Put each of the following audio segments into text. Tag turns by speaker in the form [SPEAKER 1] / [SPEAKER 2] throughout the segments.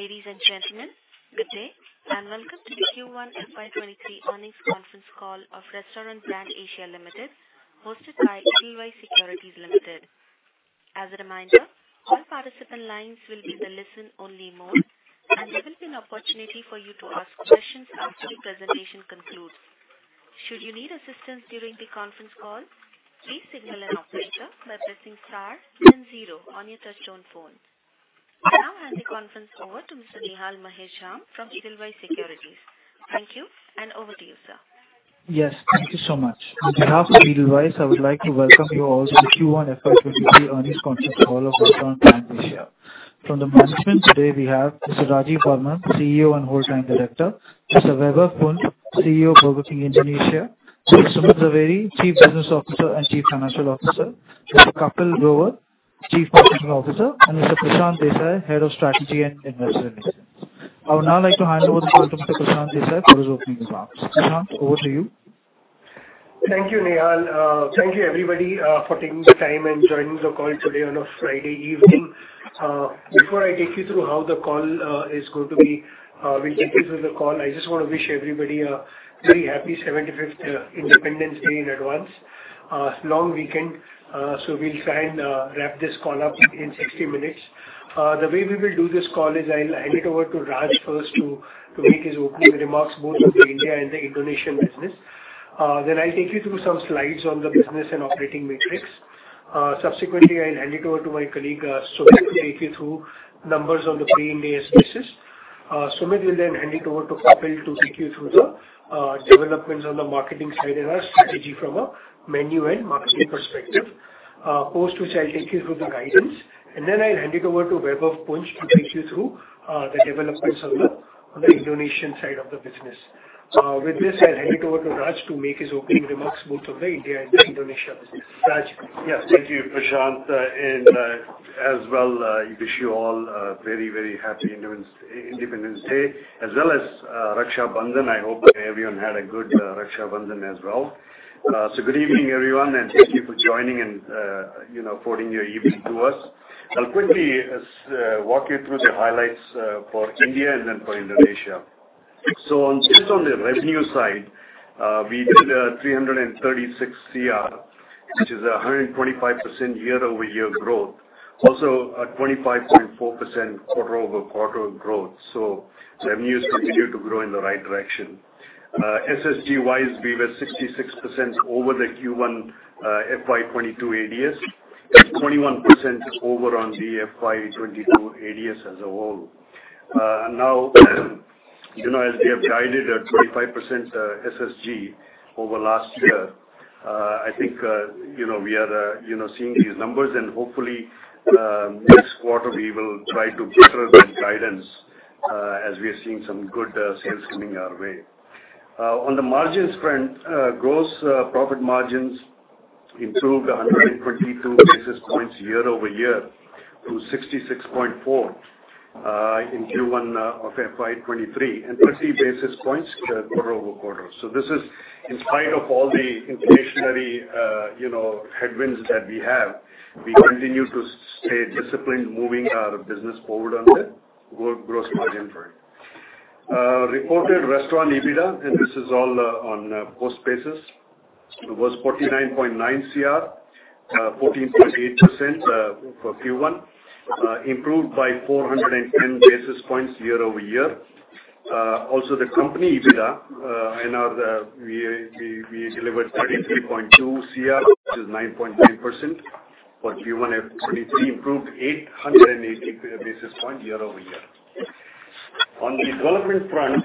[SPEAKER 1] Ladies and gentlemen, good day, and welcome to the Q1 FY 2023 earnings conference call of Restaurant Brands Asia Limited, hosted by Edelweiss Securities Limited. As a reminder, all participant lines will be in a listen-only mode, and there will be an opportunity for you to ask questions after the presentation concludes. Should you need assistance during the conference call, please signal an operator by pressing star then zero on your touchtone phone. I now hand the conference over to Mr. Nihal Joshi from Edelweiss Securities. Thank you, and over to you, sir.
[SPEAKER 2] Yes, thank you so much. On behalf of Edelweiss, I would like to welcome you all to the Q1 FY 2023 earnings conference call of Restaurant Brands Asia. From the management today, we have Mr. Rajeev Varman, CEO and Whole-Time Director, Mr. Vaibhav Punj, CEO, Burger King Indonesia, Mr. Sumit Zaveri, Chief Business Officer and Chief Financial Officer, Mr. Kapil Grover, Chief Marketing Officer, and Mr. Prashant Desai, Head of Strategy and Investor Relations. I would now like to hand over the call to Mr. Prashant Desai for his opening remarks. Prashant, over to you.
[SPEAKER 3] Thank you, Nihal. Thank you everybody for taking the time and joining the call today on a Friday evening. We'll take you through the call. I just wanna wish everybody a very happy 75th Independence Day in advance. Long weekend, so we'll try and wrap this call up in 60 minutes. The way we will do this call is I'll hand it over to Raj first to make his opening remarks, both of the India and the Indonesian business. I'll take you through some slides on the business and operating metrics. Subsequently, I'll hand it over to my colleague, Sumit, to take you through numbers on the pre-Ind AS. Sumit will then hand it over to Kapil to take you through the developments on the marketing side and our strategy from a menu and marketing perspective. Post which I'll take you through the guidance, and then I'll hand it over to Vaibhav Punj to take you through the developments on the Indonesian side of the business. With this, I'll hand it over to Raj to make his opening remarks, both of the India and Indonesia business. Raj?
[SPEAKER 4] Yes, thank you, Prashant. As well, wish you all a very happy Independence Day as well as Raksha Bandhan. I hope that everyone had a good Raksha Bandhan as well. Good evening, everyone, and thank you for joining and you know, forwarding your evening to us. I'll quickly walk you through the highlights for India and then for Indonesia. On the revenue side, we did 336 crore, which is 125% year-over-year growth. Also 25.4% quarter-over-quarter growth. The revenues continue to grow in the right direction. SSSG-wise, we were 66% over the Q1 FY22 ADS, and 21% over the FY22 ADS as a whole. Now, you know, as we have guided a 25% SSSG over last year, I think, you know, we are, you know, seeing these numbers and hopefully, next quarter we will try to better the guidance, as we are seeing some good sales coming our way. On the margins front, gross profit margins improved 122 basis points year-over-year to 66.4 in Q1 of FY 2023, and 30 basis points quarter-over-quarter. This is in spite of all the inflationary, you know, headwinds that we have, we continue to stay disciplined moving our business forward on the gross margin front. Reported restaurant EBITDA, and this is all on post basis, was 49.9 crore, 14.8%, for Q1. Improved by 410 basis points year-over-year. Also, the company EBITDA in Q1 we delivered 33.2 crore, which is 9.9% for Q1 FY 2023, improved 880 basis point year-over-year. On the development front,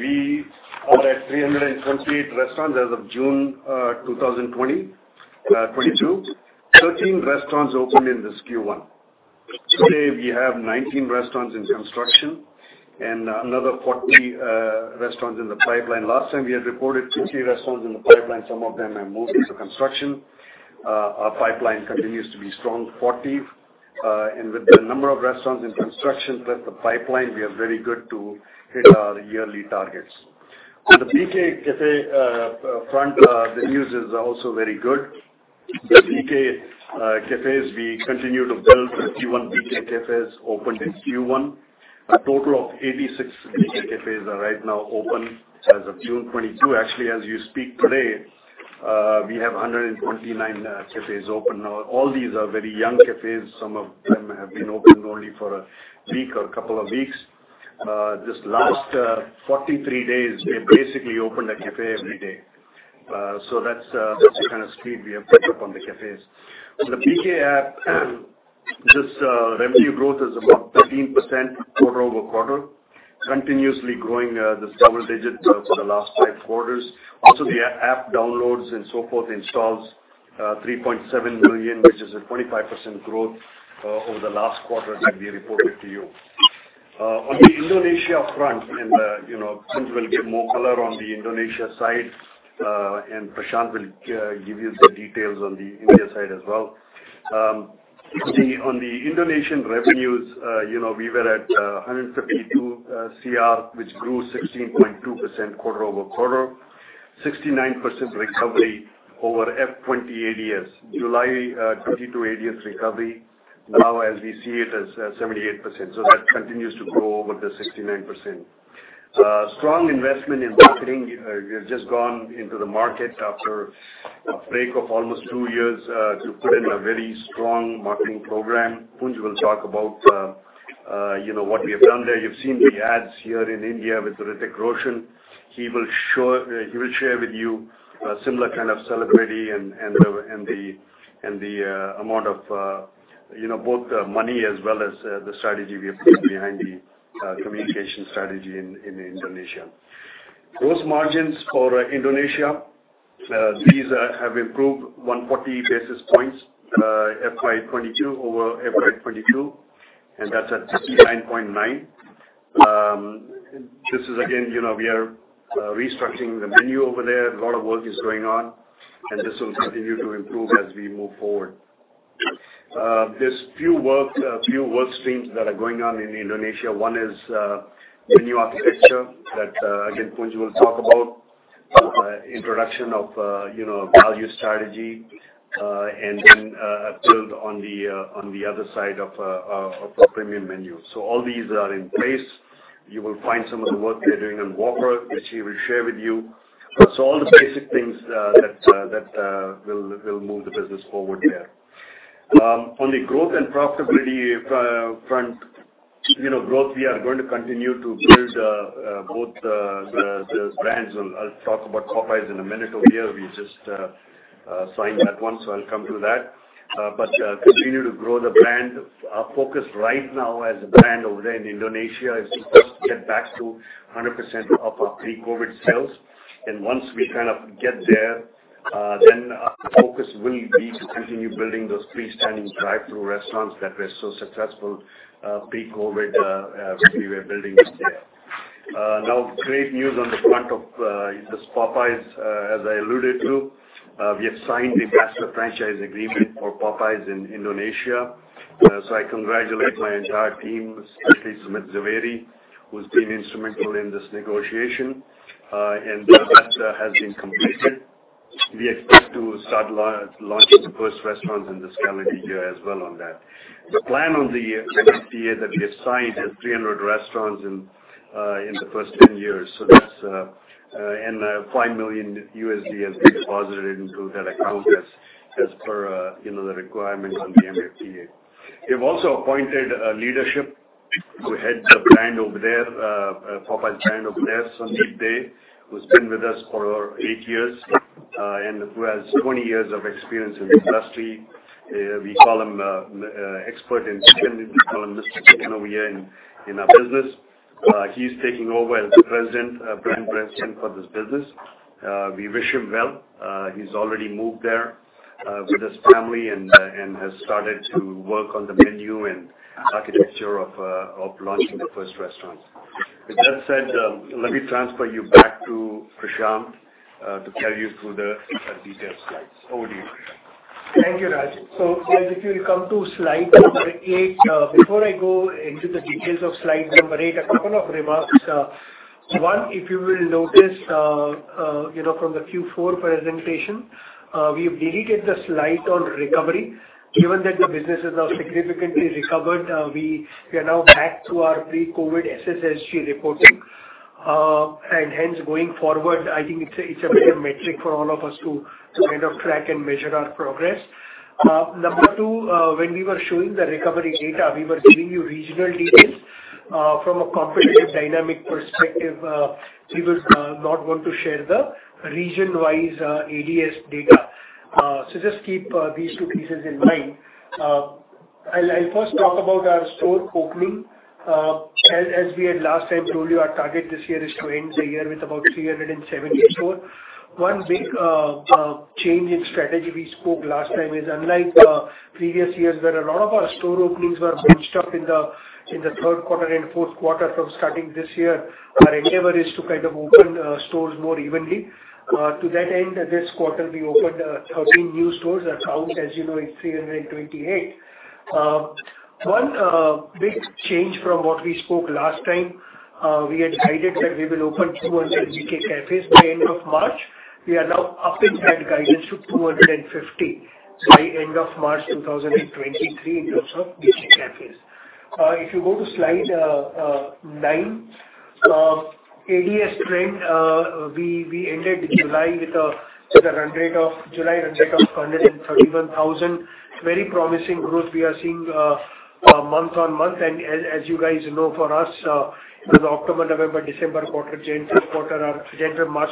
[SPEAKER 4] we are at 328 restaurants as of June 2022. 13 restaurants opened in this Q1. Today we have 19 restaurants in construction and another 40 restaurants in the pipeline. Last time we had reported 50 restaurants in the pipeline, some of them have moved into construction. Our pipeline continues to be strong and with the number of restaurants in construction plus the pipeline, we are very good to hit our yearly targets. On the BK Café front, the news is also very good. The BK Cafés we continue to build. 31 BK Cafés opened in Q1. A total of 86 BK Cafés are right now open as of June 22. Actually, as you speak today, we have 129 cafés open. Now, all these are very young cafés. Some of them have been opened only for a week or a couple of weeks. This last 43 days, we basically opened a café every day. So that's the kind of speed we have picked up on the cafés. The BK App, this revenue growth is about 13% quarter-over-quarter. Continuously growing this double-digit for the last five quarters. The app downloads and so forth installs 3.7 million, which is a 25% growth over the last quarter that we reported to you. On the Indonesia front and, you know, Sumit will give more color on the Indonesia side, and Prashant will give you some details on the India side as well. On the Indonesian revenues, you know, we were at 152 CR, which grew 16.2% quarter-over-quarter. 69% recovery over FY20 ADS. July 2022 ADS recovery. Now as we see it as 78%, so that continues to grow over the 69%. Strong investment in marketing. We have just gone into the market after a break of almost two years to put in a very strong marketing program. Vaibhav Punj will talk about, you know, what we have done there. You've seen the ads here in India with Hrithik Roshan. He will share with you a similar kind of celebrity and the amount of, you know, both the money as well as the strategy we have put behind the communication strategy in Indonesia. Gross margins for Indonesia have improved 140 basis points, FY 2022 over FY 2022, and that's at 69.9. This is again, you know, we are restructuring the menu over there. A lot of work is going on, and this will continue to improve as we move forward. There are a few work streams that are going on in Indonesia. One is menu architecture that, again, Vaibhav Punj will talk about. Introduction of, you know, value strategy, and then build on the other side of a premium menu. All these are in place. You will find some of the work we are doing on Whopper, which he will share with you. All the basic things that will move the business forward there. On the growth and profitability front, you know, growth we are going to continue to build both the brands. I'll talk about Popeyes in a minute over here. We just signed that one, so I'll come to that. Continue to grow the brand. Our focus right now as a brand over there in Indonesia is to first get back to 100% of our pre-COVID sales. Once we kind of get there, then our focus will be to continue building those freestanding drive-through restaurants that were so successful pre-COVID when we were building them there. Now great news on the Popeyes front as I alluded to. We have signed a Master Franchise Agreement for Popeyes in Indonesia. So I congratulate my entire team, especially Sumit Zaveri, who's been instrumental in this negotiation. And that has been completed. We expect to start launching the first restaurants in this calendar year as well on that. The plan on the MFDA that we have signed is 300 restaurants in the first 10 years. So that's... $5 million has been deposited into that account as per, you know, the requirement on the MFDA. We have also appointed leadership to head the brand over there, Popeyes brand over there, Sandeep Dey, who's been with us for over eight years, and who has 20 years of experience in this industry. We call him expert in chicken. We call him Mr. Chicken over here in our business. He's taking over as president, brand president for this business. We wish him well. He's already moved there with his family and has started to work on the menu and architecture of launching the first restaurants. With that said, let me transfer you back to Prashant to carry you through the detailed slides. Over to you, Prashant.
[SPEAKER 3] Thank you, Raj. Guys, if you'll come to slide number 8. Before I go into the details of slide number 8, a couple of remarks. One, if you will notice, you know, from the Q4 presentation, we've deleted the slide on recovery. Given that the businesses are significantly recovered, we are now back to our pre-COVID SSSG reporting. Hence going forward, I think it's a better metric for all of us to kind of track and measure our progress. Number two, when we were showing the recovery data, we were giving you regional details. From a competitive dynamic perspective, we will not want to share the region-wise ADS data. Just keep these two pieces in mind. I'll first talk about our store opening. As we had last time told you, our target this year is to end the year with about 374. One big change in strategy we spoke last time is unlike the previous years, where a lot of our store openings were bunched up in the third quarter and fourth quarter from starting this year. Our endeavor is to kind of open stores more evenly. To that end, this quarter we opened 13 new stores. Our count, as you know, is 328. One big change from what we spoke last time, we had guided that we will open 200 BK Cafés by end of March. We are now upping that guidance to 250 by end of March 2023 in terms of BK Cafés. If you go to slide 9, ADS trend. We ended July with a run rate of 131,000. Very promising growth we are seeing month-on-month. As you guys know, for us, the October, November, December quarter, Jan-March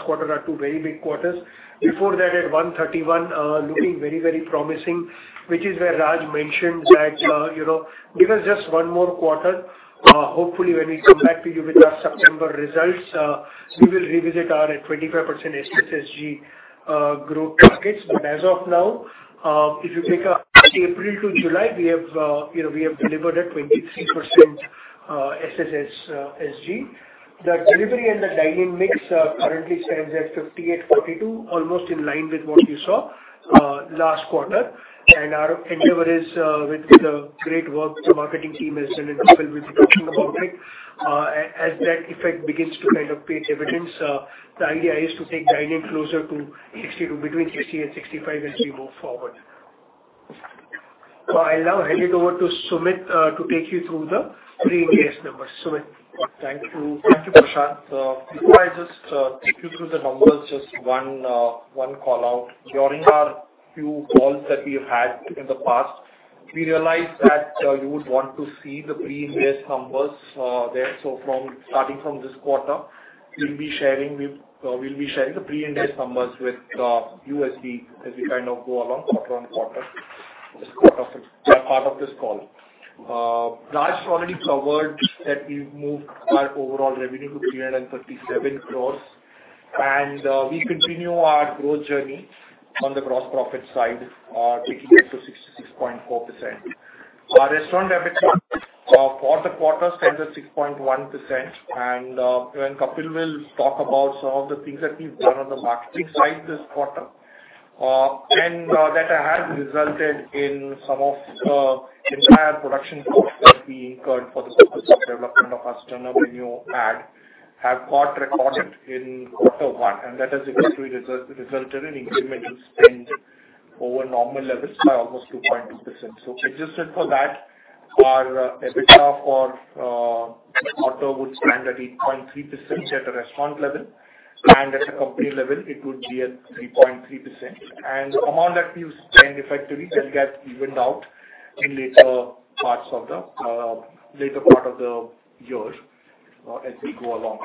[SPEAKER 3] quarter are two very big quarters. Before that, at 131,000, looking very promising, which is where Raj mentioned that, you know, give us just one more quarter. Hopefully, when we come back to you with our September results, we will revisit our 25% SSSG growth targets. As of now, if you take April to July, we have, you know, delivered a 23% SSSG. The delivery and the dining mix currently stands at 58-42, almost in line with what you saw last quarter. Our endeavor is, with the great work the marketing team has done, and Kapil will be talking about it. As that effect begins to kind of pay dividends, the idea is to take dine-in closer to 60, between 60 and 65 as we move forward. I'll now hand it over to Sumit to take you through the pre-Ind AS numbers. Sumit.
[SPEAKER 5] Thank you. Thank you, Prashant. Before I take you through the numbers, just one call-out. During our few calls that we've had in the past, we realized that you would want to see the pre-Ind AS numbers there. Starting from this quarter, we'll be sharing the pre-Ind AS numbers with you as we kind of go along quarter on quarter as part of this call. Raj already covered that we've moved our overall revenue to 357 crores. We continue our growth journey on the gross profit side, taking it to 66.4%. Our restaurant EBITDA for the quarter stands at 6.1%. When Kapil will talk about some of the things that we've done on the marketing side this quarter, and that has resulted in some of entire production costs that we incurred for the purpose of development of our Stunner menu ad have got recorded in quarter one, and that has eventually resulted in incremental spend over normal levels by almost 2.2%. Adjusted for that, our EBITDA for quarter would stand at 8.3% at a restaurant level, and at a company level it would be at 3.3%. The amount that we spend effectively shall get evened out in later parts of the later part of the year, as we go along.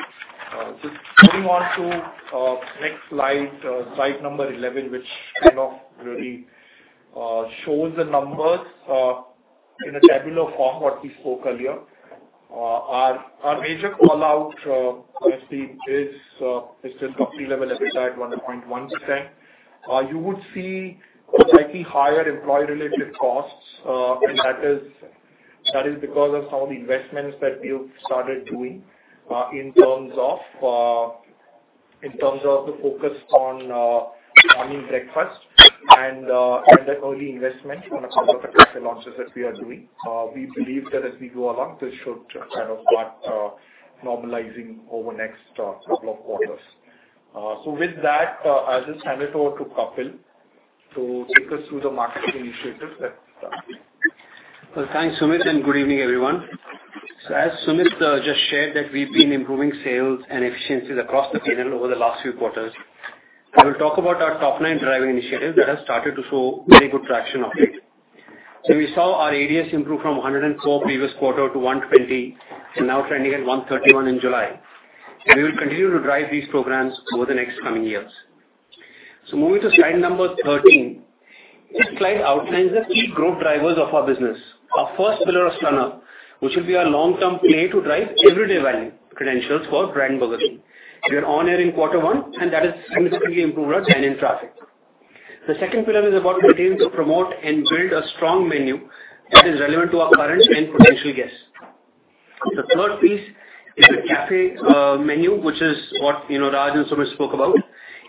[SPEAKER 5] Moving on to next slide number 11, which kind of really shows the numbers in a tabular form, what we spoke earlier. Our major call-out obviously is this company-level EBITDA at 1.1%. You would see slightly higher employee-related costs, and that is because of some of the investments that we've started doing, in terms of the focus on, I mean, breakfast and an early investment on a couple of the café launches that we are doing. We believe that as we go along, this should kind of start normalizing over next couple of quarters. With that, I'll just hand it over to Kapil to take us through the marketing initiatives that started.
[SPEAKER 6] Well, thanks Sumit, and good evening, everyone. As Sumit just shared that we've been improving sales and efficiencies across the P&L over the last few quarters. I will talk about our top-line driving initiative that has started to show very good traction of it. We saw our ADS improve from 104 previous quarter to 120, and now trending at 131 in July. We will continue to drive these programs over the next coming years. Moving to slide number 13. This slide outlines the key growth drivers of our business. Our first pillar is Stunner, which will be our long-term play to drive everyday value credentials for brand Burger King. We are on air in quarter one, and that has significantly improved our dine-in traffic. The second pillar is about the menu to promote and build a strong menu that is relevant to our current and potential guests. The third piece is the café menu, which is what, you know, Raj and Sumit spoke about.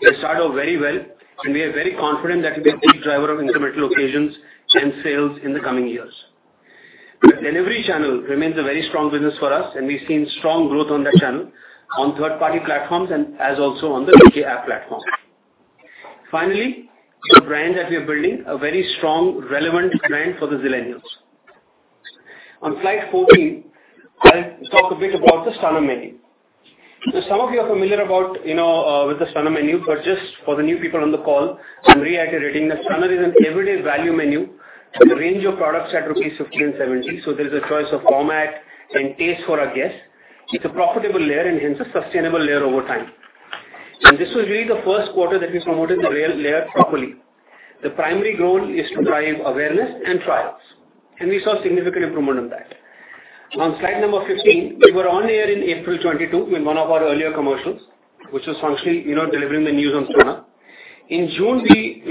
[SPEAKER 6] It started off very well, and we are very confident that it'll be a key driver of incremental occasions and sales in the coming years. The delivery channel remains a very strong business for us, and we've seen strong growth on that channel on third-party platforms and as also on the BK App platform. Finally, the brand that we are building, a very strong relevant brand for the Zillennials. On slide 14, I'll talk a bit about the Stunner menu. Some of you are familiar about, you know, with the Stunner menu, but just for the new people on the call, I'm reiterating that Stunner is an everyday value menu with a range of products at rupees 15-70. There's a choice of format and taste for our guests. It's a profitable layer and hence a sustainable layer over time. This was really the first quarter that we promoted the Stunner layer properly. The primary goal is to drive awareness and trials, and we saw significant improvement on that. On slide number 15, we were on air in April 2022 in one of our earlier commercials, which was functionally, you know, delivering the news on Stunner. In June, we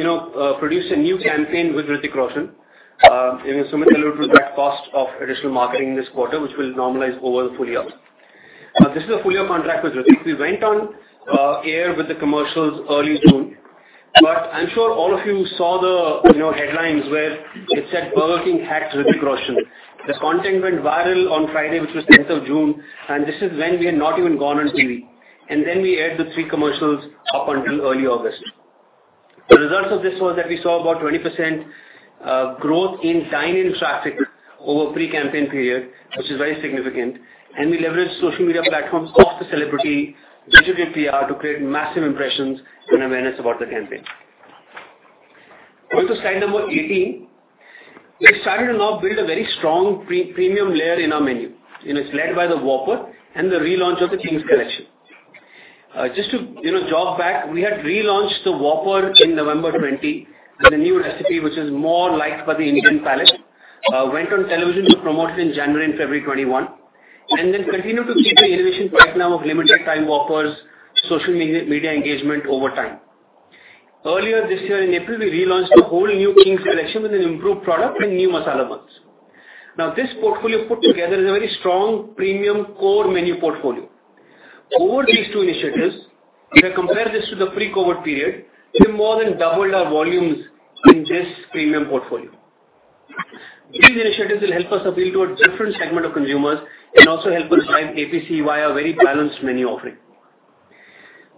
[SPEAKER 6] produced a new campaign with Hrithik Roshan. Sumit alluded to that cost of additional marketing this quarter, which will normalize over the full year. This is a full-year contract with Hrithik. We went on air with the commercials early June. I'm sure all of you saw the, you know, headlines where it said Burger King hacked Hrithik Roshan. The content went viral on Friday, which was June 10th, and this is when we had not even gone on TV. We aired the three commercials up until early August. The results of this was that we saw about 20% growth in dine-in traffic over pre-campaign period, which is very significant. We leveraged social media platforms of the celebrity digital PR to create massive impressions and awareness about the campaign. Going to slide number 18. We have started to now build a very strong premium layer in our menu. You know, it's led by the Whopper and the relaunch of the Kings Collection. Just to, you know, jog back, we had relaunched the Whopper in November 2020 with a new recipe, which is more liked by the Indian palate. Went on television to promote it in January and February 2021. Continued to keep the innovation right now of limited-time Whoppers, social media engagement over time. Earlier this year in April, we relaunched a whole new Kings Collection with an improved product and new masala buns. Now, this portfolio put together is a very strong premium core menu portfolio. Over these two initiatives, if I compare this to the pre-COVID period, we've more than doubled our volumes in just premium portfolio. These initiatives will help us appeal to a different segment of consumers and also help us drive APCU via very balanced menu offering.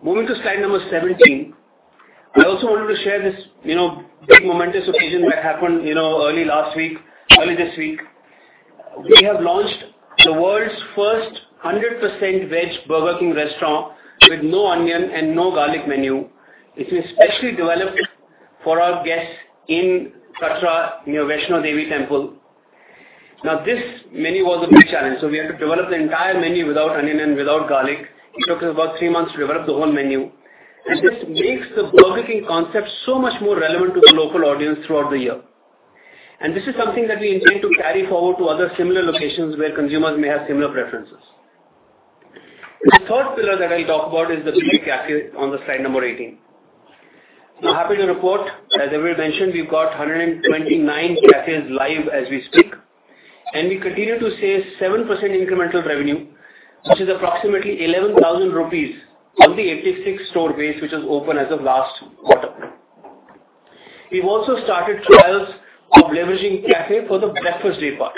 [SPEAKER 6] Moving to slide number 17. I also wanted to share this, you know, big momentous occasion that happened, you know, early last week, early this week. We have launched the world's first 100% veg Burger King restaurant with no onion and no garlic menu, which we specially developed for our guests in Katra near Vaishno Devi Temple. Now, this menu was a big challenge, so we had to develop the entire menu without onion and without garlic. It took us about three months to develop the whole menu. This makes the Burger King concept so much more relevant to the local audience throughout the year. This is something that we intend to carry forward to other similar locations where consumers may have similar preferences. The third pillar that I'll talk about is the BK Café on the slide number 18. Now, happy to report, as we all mentioned, we've got 129 cafés live as we speak, and we continue to see 7% incremental revenue, which is approximately 11,000 rupees on the 86 store base, which is open as of last quarter. We've also started trials of leveraging café for the breakfast day part.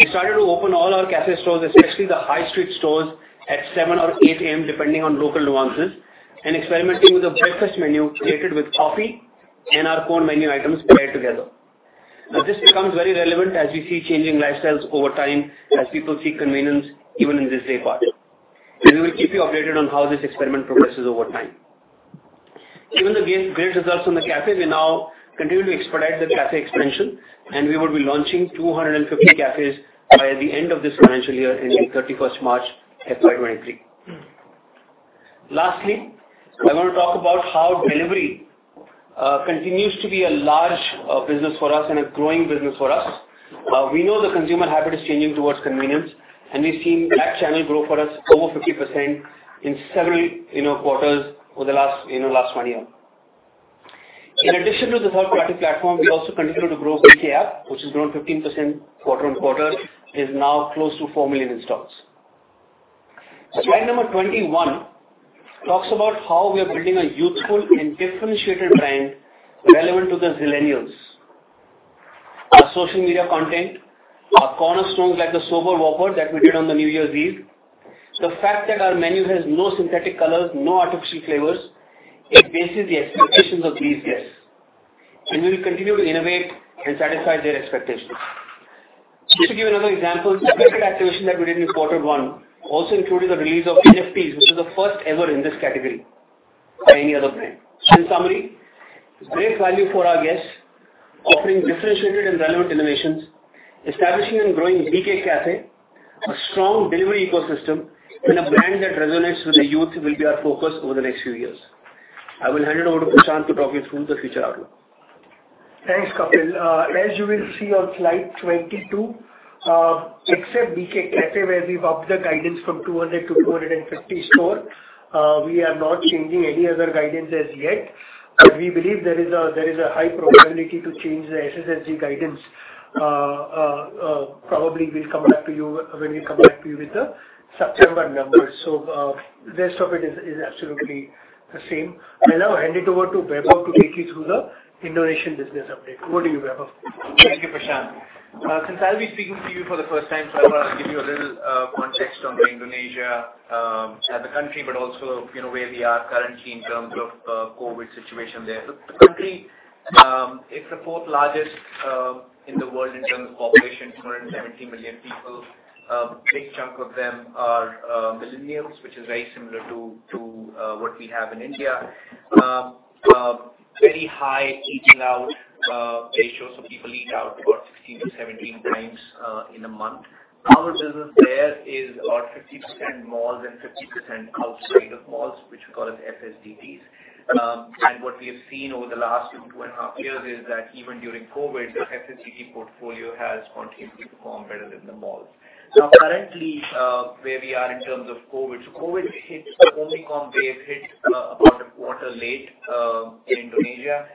[SPEAKER 6] We started to open all our café stores, especially the high-street stores, at 7 or 8 A.M., depending on local nuances, and experimenting with a breakfast menu created with coffee and our core menu items paired together. Now, this becomes very relevant as we see changing lifestyles over time as people seek convenience even in this day part. We will keep you updated on how this experiment progresses over time. Given the great results from the café, we now continue to expedite the café expansion and we will be launching 250 cafés by the end of this financial year in the March 31st, FY 2023. Lastly, I wanna talk about how delivery continues to be a large business for us and a growing business for us. We know the consumer habit is changing towards convenience, and we've seen that channel grow for us over 50% in several, you know, quarters over the last, you know, last one year. In addition to the third-party platform, we also continue to grow BK App, which has grown 15% quarter-on-quarter. It is now close to 4 million installs. Slide number 21 talks about how we are building a youthful and differentiated brand relevant to these millennials. Our social media content, our cornerstones like the Sober Whopper that we did on the New Year's Eve. The fact that our menu has no synthetic colors, no artificial flavors, it bases the expectations of these guests, and we will continue to innovate and satisfy their expectations. Just to give another example, the branded activation that we did in quarter one also included the release of NFTs, which was the first ever in this category by any other brand. In summary, great value for our guests, offering differentiated and relevant innovations, establishing and growing BK Café, a strong delivery ecosystem, and a brand that resonates with the youth will be our focus over the next few years. I will hand it over to Prashant to talk you through the future outlook.
[SPEAKER 3] Thanks, Kapil. As you will see on slide 22, except BK Café, where we've upped the guidance from 200 to 250 stores, we are not changing any other guidance as yet. We believe there is a high probability to change the SSSG guidance. Probably we'll come back to you with the September numbers. The rest of it is absolutely the same. I'll now hand it over to Vaibhav to take you through the Indonesian business update. Over to you, Vaibhav.
[SPEAKER 7] Thank you, Prashant. Since I'll be speaking to you for the first time, so I wanna give you a little context on Indonesia as a country, but also where we are currently in terms of COVID situation there. The country, it's the fourth largest in the world in terms of population, 270 million people. Big chunk of them are millennials, which is very similar to what we have in India. Very high eating out ratio, so people eat out about 16-17 times in a month. Our business there is about 50% malls and 50% outside of malls, which we call as FSDT. What we have seen over the last 2.5 years is that even during COVID, the FSDT portfolio has continued to perform better than the malls. Currently, where we are in terms of COVID. COVID hits, the Omicron wave hit about a quarter late in Indonesia.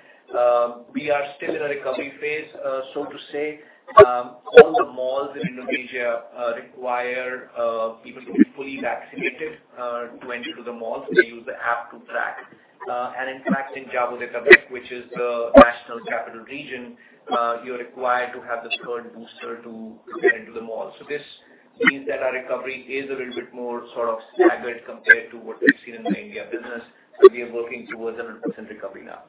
[SPEAKER 7] We are still in a recovery phase, so to say. All the malls in Indonesia require people to be fully vaccinated to enter the malls. They use the app to track. In fact, in Jakarta Raya, which is the national capital region, you're required to have the third booster to get into the mall. This means that our recovery is a little bit more sort of staggered compared to what we've seen in the India business. We are working towards 100% recovery now.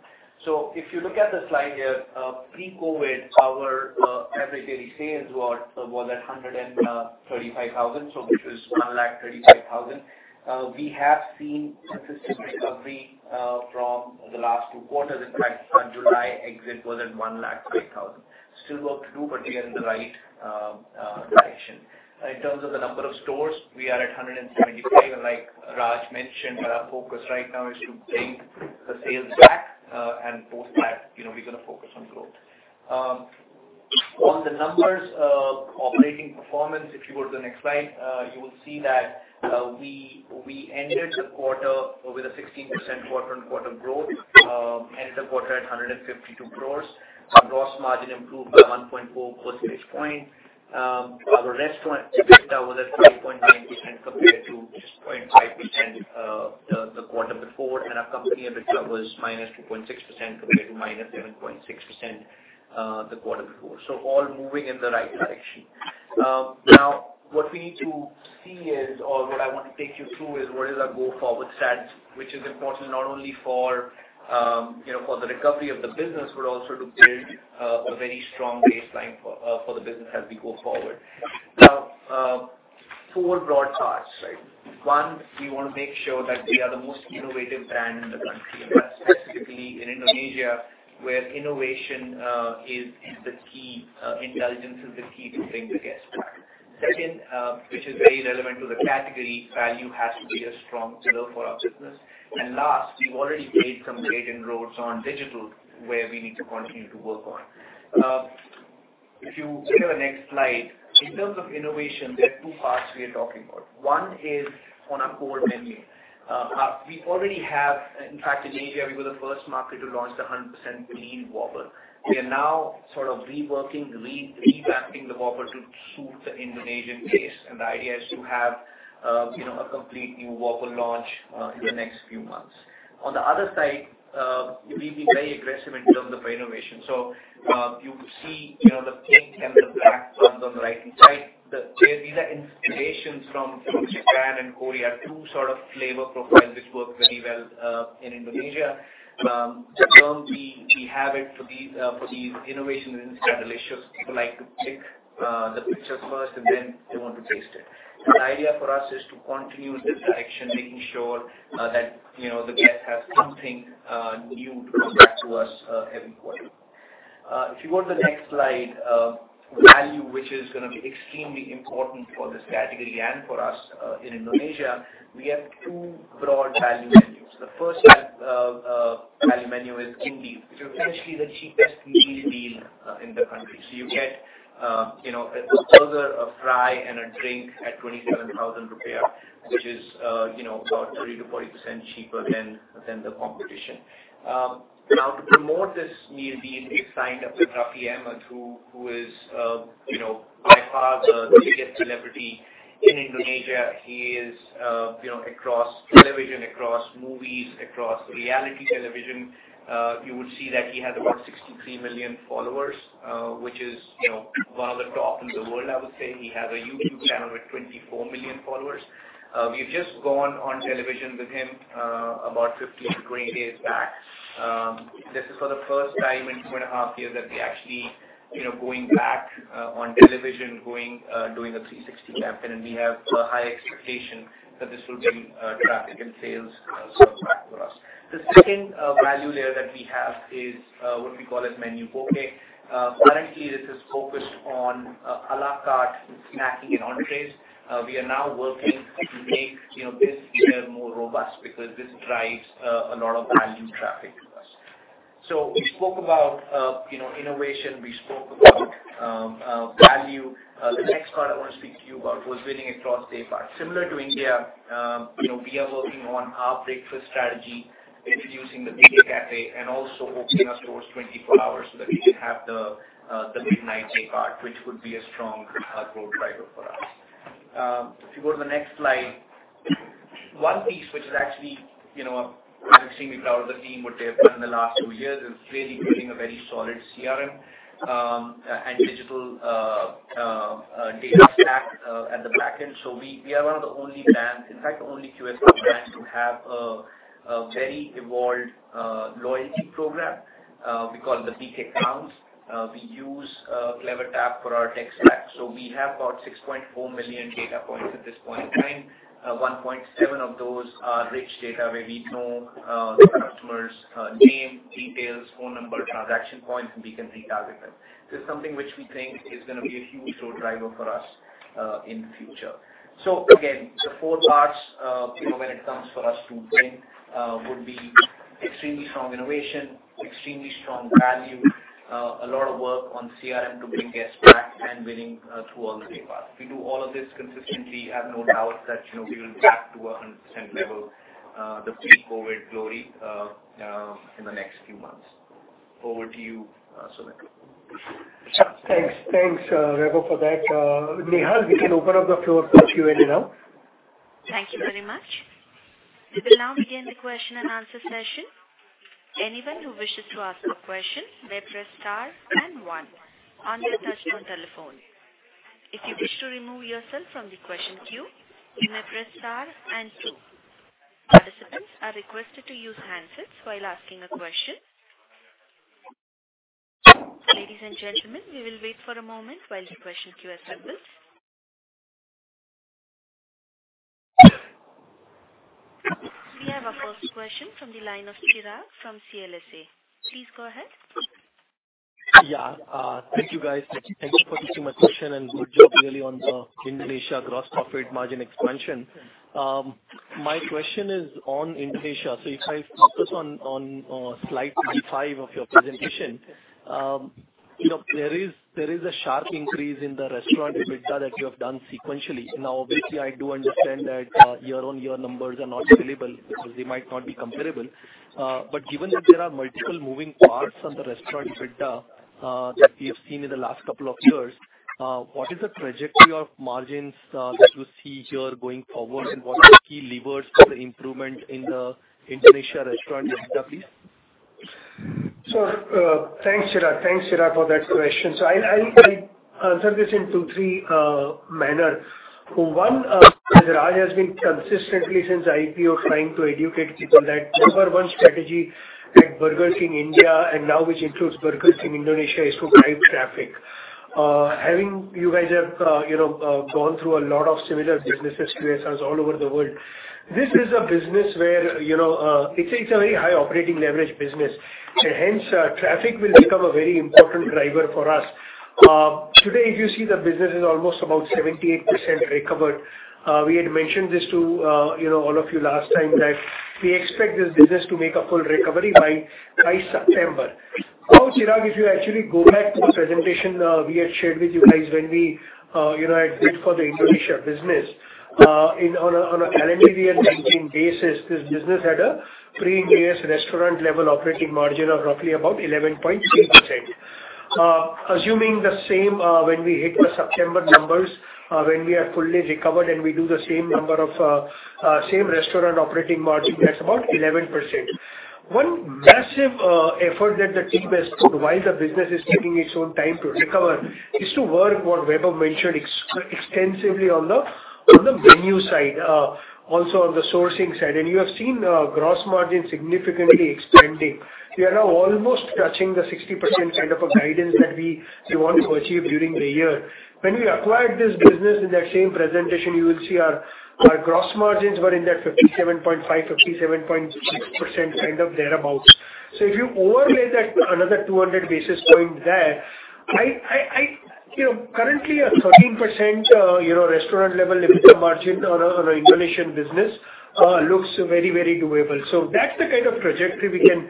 [SPEAKER 7] If you look at the slide here, pre-COVID, our average daily sales was at 135,000. Which is 1.35 lakh. We have seen consistent recovery from the last two quarters. In fact, our July exit was at 1.03 lakh. Still work to do, but we are in the right direction. In terms of the number of stores, we are at 175. Like Raj mentioned, our focus right now is to bring the sales back, and post that, you know, we're gonna focus on growth. On the numbers, operating performance, if you go to the next slide, you will see that we ended the quarter with a 16% quarter-on-quarter growth. Ended the quarter at 152 crores. Our gross margin improved by 1.4 percentage points. Our restaurant ticket now was at 3.9% compared to 0.5%, the quarter before and our company EBITDA was -2.6% compared to -11.6%, the quarter before. All moving in the right direction. Now what we need to see is or what I want to take you through is what is our go-forward stats, which is important not only for, you know, for the recovery of the business but also to build, a very strong baseline for the business as we go forward. Now, four broad charts, right? One, we wanna make sure that we are the most innovative brand in the country, and that's specifically in Indonesia, where innovation is the key. Intelligence is the key to bring the guests back. Second, which is very relevant to the category, value has to be a strong pillar for our business. Last, we've already made some great inroads on digital where we need to continue to work on. If you go to the next slide. In terms of innovation, there are two parts we are talking about. One is on our core menu. We already have. In fact, in Asia, we were the first market to launch the 100% beef Whopper. We are now sort of reworking, revamping the Whopper to suit the Indonesian taste, and the idea is to have a completely new Whopper launch in the next few months. On the other side, we've been very aggressive in terms of innovation. The pink and the black buns on the right-hand side. These are inspirations from Japan and Korea, two sort of flavor profiles which work very well in Indonesia. We just launched these innovations in social channels. People like to take the pictures first and then they want to taste it. The idea for us is to continue this direction, making sure that the guest has something new to come back to us every quarter. If you go to the next slide. Value, which is gonna be extremely important for this category and for us, in Indonesia, we have two broad value menus. The first value menu is King Feast, which is essentially the cheapest meal deal in the country. You get, you know, a burger, a fry and a drink at 27,000 rupiah, which is, you know, about 30%-40% cheaper than the competition. Now to promote this meal deal, we've signed up with Raffi Ahmad who is, you know, by far the biggest celebrity in Indonesia. He is, you know, across television, across movies, across reality television. You would see that he has about 63 million followers, which is, you know, one of the top in the world, I would say. He has a YouTube channel with 24 million followers. We've just gone on television with him about 15-20 days back. This is for the first time in 2.5 years that we actually, you know, going back on television, going doing a 360 campaign, and we have a high expectation that this will bring traffic and sales so back for us. The second value layer that we have is what we call Menu Hemat. Currently this is focused on à la carte snacking and entrees. We are now working to make, you know, this even more robust because this drives a lot of value traffic to us. We spoke about, you know, innovation. We spoke about value. The next part I wanna speak to you about was winning across day part. Similar to India, you know, we are working on our breakfast strategy, introducing the BK Café and also opening our stores 24 hours so that we can have the midnight day part which would be a strong growth driver for us. If you go to the next slide. One piece which is actually, you know, I'm extremely proud of the team, what they have done in the last two years, is really building a very solid CRM and digital data stack at the back end. We are one of the only brands, in fact the only QSR brand to have a very evolved loyalty program, we call it the BK Crown. We use CleverTap for our tech stack. We have about 6.4 million data points at this point in time. 1.7 of those are rich data where we know the customers' name, details, phone number, transaction points, and we can retarget them. This is something which we think is gonna be a huge growth driver for us in the future. Again, the four parts, you know, when it comes for us to win, would be extremely strong innovation, extremely strong value, a lot of work on CRM to bring guests back and winning through all the day parts. We do all of this consistently. I have no doubt that, you know, we will be back to a 100% level, the pre-COVID glory, in the next few months. Over to you, Sumit.
[SPEAKER 3] Thanks. Thanks, Vaibhav, for that. Nihal, we can open up the floor for Q&A now.
[SPEAKER 1] Thank you very much. We will now begin the question and answer session. Anyone who wishes to ask a question may press star and one on their touch-tone telephone. If you wish to remove yourself from the question queue, you may press star and two. Participants are requested to use handsets while asking a question. Ladies and gentlemen, we will wait for a moment while the question queue assembles. We have our first question from the line of Chirag from CLSA. Please go ahead.
[SPEAKER 8] Yeah. Thank you, guys. Thank you for taking my question and good job really on the Indonesia gross profit margin expansion. My question is on Indonesia. If I focus on slide 35 of your presentation, you know, there is a sharp increase in the restaurant EBITDA that you have done sequentially. Now, obviously I do understand that year-on-year numbers are not available because they might not be comparable. Given that there are multiple moving parts on the restaurant EBITDA that we have seen in the last couple of years, what is the trajectory of margins that you see here going forward? And what are the key levers for the improvement in the Indonesia restaurant business, please?
[SPEAKER 3] Thanks, Chirag, for that question. I'll answer this in two, three manner. One, Chirag has been consistently since IPO trying to educate people that number one strategy at Burger King India and now which includes Burger King Indonesia is to drive traffic. Having you guys have gone through a lot of similar businesses all over the world, this is a business where, you know, it's a very high operating leverage business. Hence, traffic will become a very important driver for us. Today, if you see the business is almost about 78% recovered. We had mentioned this to, you know, all of you last time that we expect this business to make a full recovery by September. Now, Chirag, if you actually go back to the presentation, we had shared with you guys when we, you know, had bid for the Indonesia business. On a LTM 2019 basis, this business had a pre-Ind AS restaurant level operating margin of roughly about 11.6%. Assuming the same, when we hit the September numbers, when we are fully recovered and we do the same number of same restaurant operating margin, that's about 11%. One massive effort that the team has put while the business is taking its own time to recover is to work what Vaibhav mentioned extensively on the menu side, also on the sourcing side. You have seen gross margin significantly expanding. We are now almost touching the 60% kind of a guidance that we want to achieve during the year. When we acquired this business in that same presentation, you will see our gross margins were in that 57.5-57.6% kind of thereabout. If you overlay that another 200 basis points there, you know, currently a 13% restaurant level EBITDA margin on an Indonesian business looks very, very doable. That's the kind of trajectory we can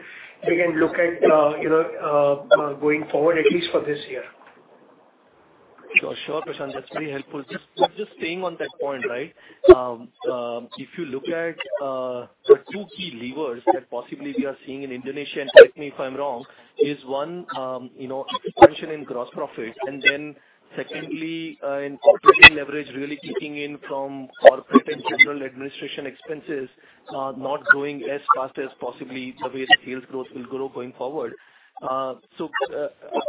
[SPEAKER 3] look at, you know, going forward, at least for this year.
[SPEAKER 8] Sure, Prashant. That's very helpful. Just staying on that point, right? If you look at the two key levers that possibly we are seeing in Indonesia, and correct me if I'm wrong, is one, you know, expansion in gross profit. Then secondly, in operational leverage really kicking in from corporate and general administration expenses not growing as fast as possibly the way the sales growth will grow going forward. So,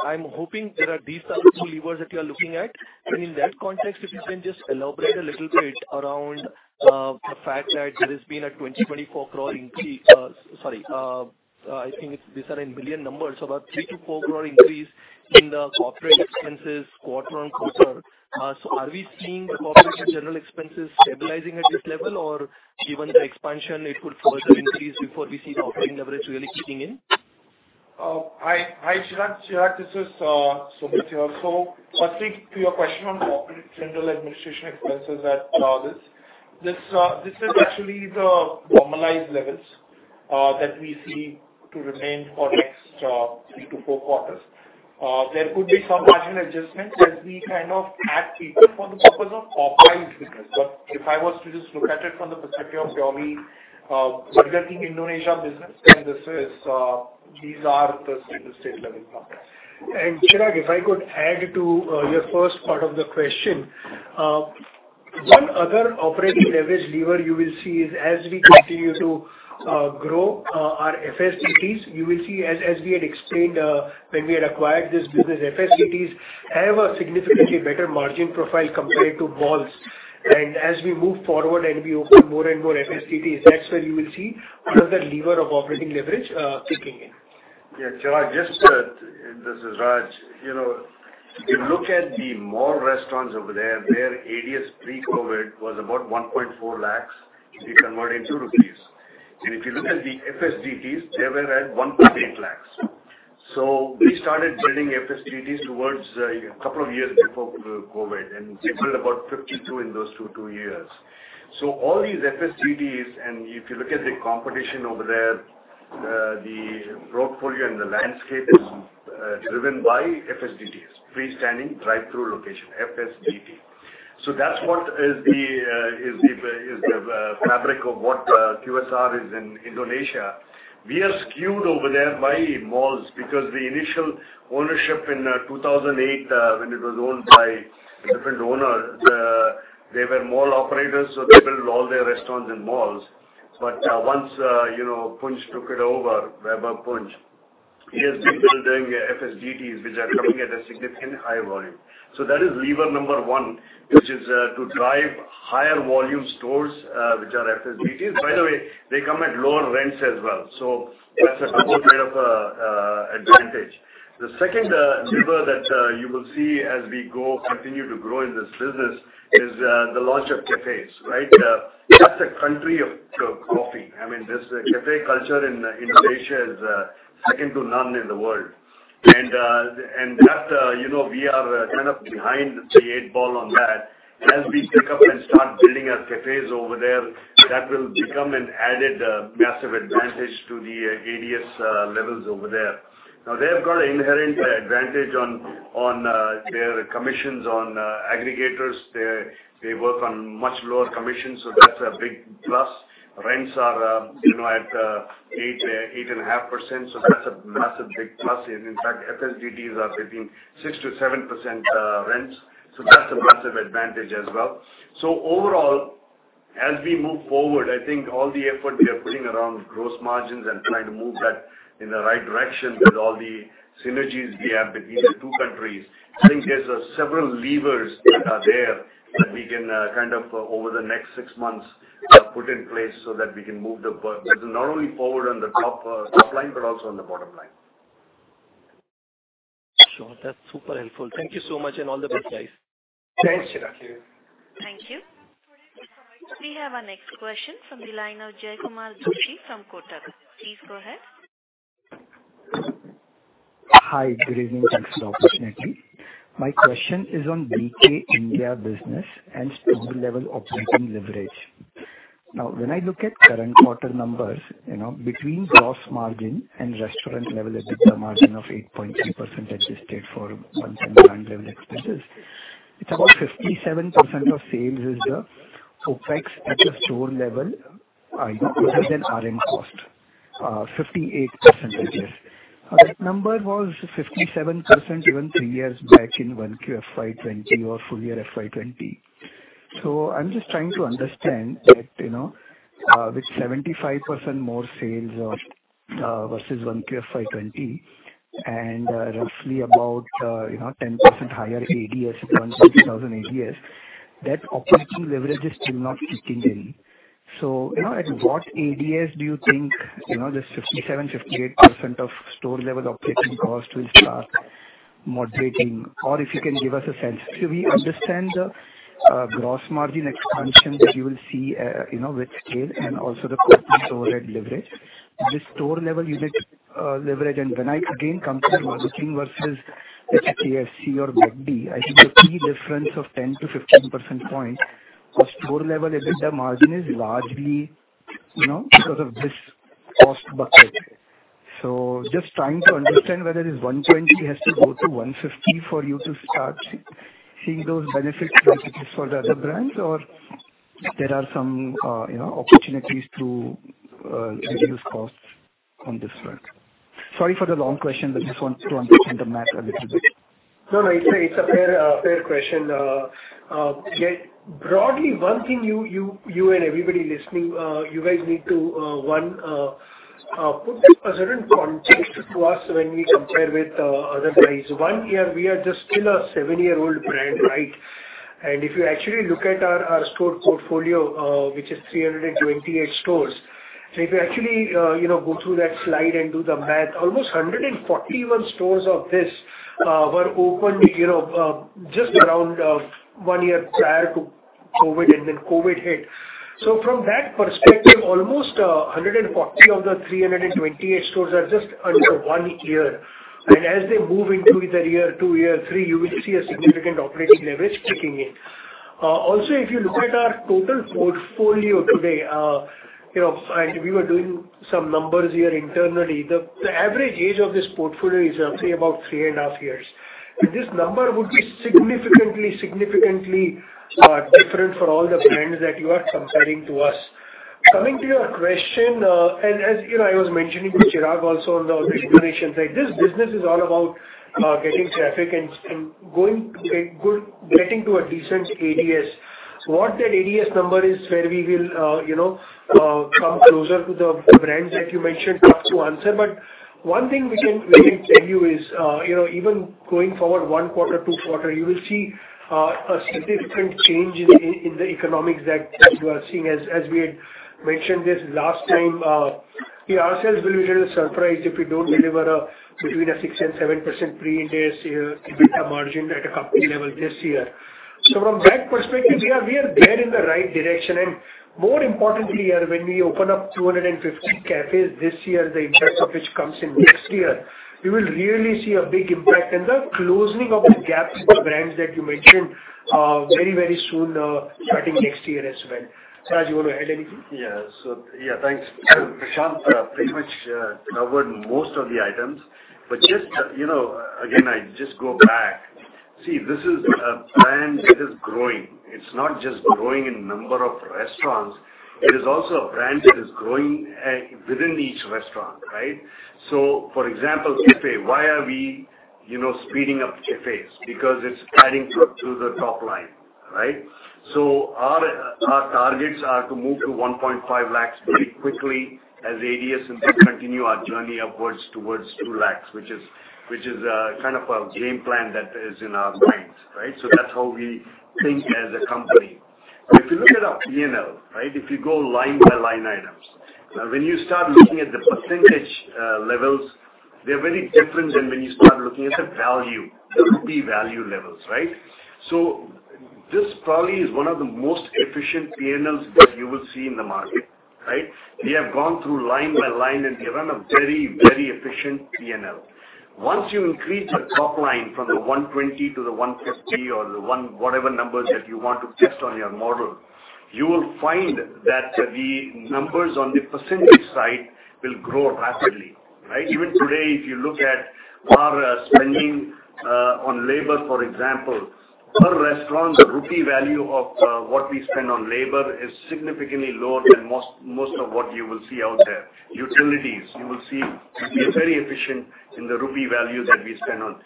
[SPEAKER 8] I'm hoping these are the two levers that you are looking at. In that context, if you can just elaborate a little bit around the fact that there has been a 24 crore increase. Sorry, I think these are in million numbers, about 3-4 crore increase in the corporate expenses quarter-over-quarter. Are we seeing the corporate and general expenses stabilizing at this level, or given the expansion it will further increase before we see the operating leverage really kicking in?
[SPEAKER 5] Hi, Chirag. Chirag, this is Sumit here. Firstly, to your question on corporate general administration expenses, that this is actually the normalized levels that we see to remain for next 3-4 quarters. There could be some marginal adjustments as we kind of add people for the purpose of operating business. If I was to just look at it from the perspective of our Burger King Indonesia business, then these are the steady state level costs.
[SPEAKER 3] Chirag, if I could add to your first part of the question. One other operating leverage lever you will see is as we continue to grow our FSDTs, you will see as we had explained when we had acquired this business, FSDTs have a significantly better margin profile compared to malls. As we move forward and we open more and more FSDTs, that's where you will see another lever of operating leverage kicking in.
[SPEAKER 4] Yeah, Chirag, this is Raj. You know, if you look at the mall restaurants over there, their ADS pre-COVID was about 1.4 lakhs if you convert into rupees. If you look at the FSDTs, they were at 1.8 lakhs. We started building FSDTs towards couple of years before COVID, and we built about 52 in those two years. All these FSDTs, and if you look at the competition over there, the portfolio and the landscape is driven by FSDTs, freestanding drive-through location, FSDT. That's what is the fabric of what QSR is in Indonesia. We are skewed over there by malls because the initial ownership in 2008, when it was owned by a different owner, they were mall operators, so they built all their restaurants in malls. Once you know Punj took it over, Vaibhav Punj, he has been building FSDTs, which are coming at a significantly higher volume. That is lever number one, which is to drive higher volume stores, which are FSDTs. By the way, they come at lower rents as well. That's a double layer of advantage. The second lever that you will see as we go continue to grow in this business is the launch of cafés, right? That's a country of coffee. I mean, this café culture in Indonesia is second to none in the world. You know, we are kind of behind the eight ball on that. As we pick up and start building our cafés over there, that will become an added massive advantage to the ADS levels over there. Now, they have got inherent advantage on their commissions on aggregators. They work on much lower commissions, so that's a big plus.
[SPEAKER 3] Rents are, you know, at 8.5%, so that's a massive big plus. In fact, FSDTs are between 6%-7% rents, so that's a massive advantage as well. Overall, as we move forward, I think all the effort we are putting around gross margins and trying to move that in the right direction with all the synergies we have between the two countries, I think there's several levers that are there that we can kind of over the next 6 months put in place so that we can move the business not only forward on the top line, but also on the bottom line.
[SPEAKER 8] Sure. That's super helpful. Thank you so much and all the best, guys.
[SPEAKER 3] Thanks, Chirag.
[SPEAKER 1] Thank you. We have our next question from the line of Jaykumar Doshi from Kotak. Please go ahead.
[SPEAKER 9] Hi, good evening. Thanks for the opportunity. My question is on BK India business and store-level operating leverage. Now, when I look at current quarter numbers, you know, between gross margin and restaurant level EBITDA margin of 8.3% that you state for months and ground level expenses, it's about 57% of sales is the OpEx at the store-level, you know, other than RM cost, 58% I guess. Now, that number was 57% even three years back in 1Q FY 2020 or full year FY 2020. I'm just trying to understand that, you know, with 75% more sales or, versus 1Q FY 2020 and, roughly about, you know, 10% higher ADS around 6,000 ADS, that operating leverage is still not kicking in. You know, at what ADS do you think, you know, this 57%-58% of store-level operating cost will start moderating? Or if you can give us a sense. We understand the gross margin expansion that you will see, you know, with scale and also the corporate overhead leverage. The store-level unit leverage, and when I again compare to Burger King versus KFC or Subway, I think the key difference of 10-15 percentage points of store-level EBITDA margin is largely, you know, because of this cost bucket. Just trying to understand whether this 120 has to go to 150 for you to start seeing those benefits like it is for the other brands, or there are some, you know, opportunities to reduce costs on this front. Sorry for the long question, but just want to understand the math a little bit.
[SPEAKER 3] No, it's a fair question. Jay, broadly one thing you and everybody listening, you guys need to put a certain context to us when we compare with other brands. One, we are just still a seven-year-old brand, right? If you actually look at our store portfolio, which is 328 stores, so if you actually, you know, go through that slide and do the math, almost 141 stores of this were opened, you know, just around one year prior to COVID and then COVID hit. From that perspective, almost 140 of the 328 stores are just under one year. As they move into either year two, year three, you will see a significant operating leverage kicking in. Also, if you look at our total portfolio today, you know, and we were doing some numbers here internally, the average age of this portfolio is, I'll say, about 3.5 years. This number would be significantly different for all the brands that you are comparing to us. Coming to your question, as you know, I was mentioning to Chirag also on the earnings call, like, this business is all about getting traffic and getting to a decent ADS. What that ADS number is where we will, you know, come closer to the brands that you mentioned, tough to answer. One thing we can tell you is, you know, even going forward one quarter, two quarter, you will see a significant change in the economics that you are seeing. As we had mentioned this last time, we ourselves will be a little surprised if we don't deliver between 6% and 7% pre-interest EBITDA margin at a company level this year. So from that perspective, we are geared in the right direction. More importantly, when we open up 250 cafés this year, the impact of which comes in next year, we will really see a big impact and the closing of the gaps in the brands that you mentioned very soon, starting next year as well. Rajeev Varman, you wanna add anything?
[SPEAKER 4] Yeah, thanks. Prashant pretty much covered most of the items. Just, you know, again, I just go back. See, this is a brand that is growing. It's not just growing in number of restaurants, it is also a brand that is growing within each restaurant, right? For example, café, why are we speeding up cafés? Because it's adding to the top line, right? Our targets are to move to 1.5 lakhs very quickly as ADS, and then continue our journey upwards towards 2 lakhs, which is kind of a game plan that is in our minds, right? That's how we think as a company. If you look at our P&L, right? If you go line by line items. Now, when you start looking at the percentage levels, they're very different than when you start looking at the value, the rupee value levels, right? This probably is one of the most efficient P&Ls that you will see in the market, right? We have gone through line by line, and we run a very, very efficient P&L. Once you increase the top line from 120 to 150 or whatever numbers that you want to test on your model, you will find that the numbers on the percentage side will grow rapidly, right? Even today, if you look at our spending On labor, for example, per restaurant, the rupee value of what we spend on labor is significantly lower than most of what you will see out there. Utilities, you will see, we are very efficient in the rupee value that we spend on.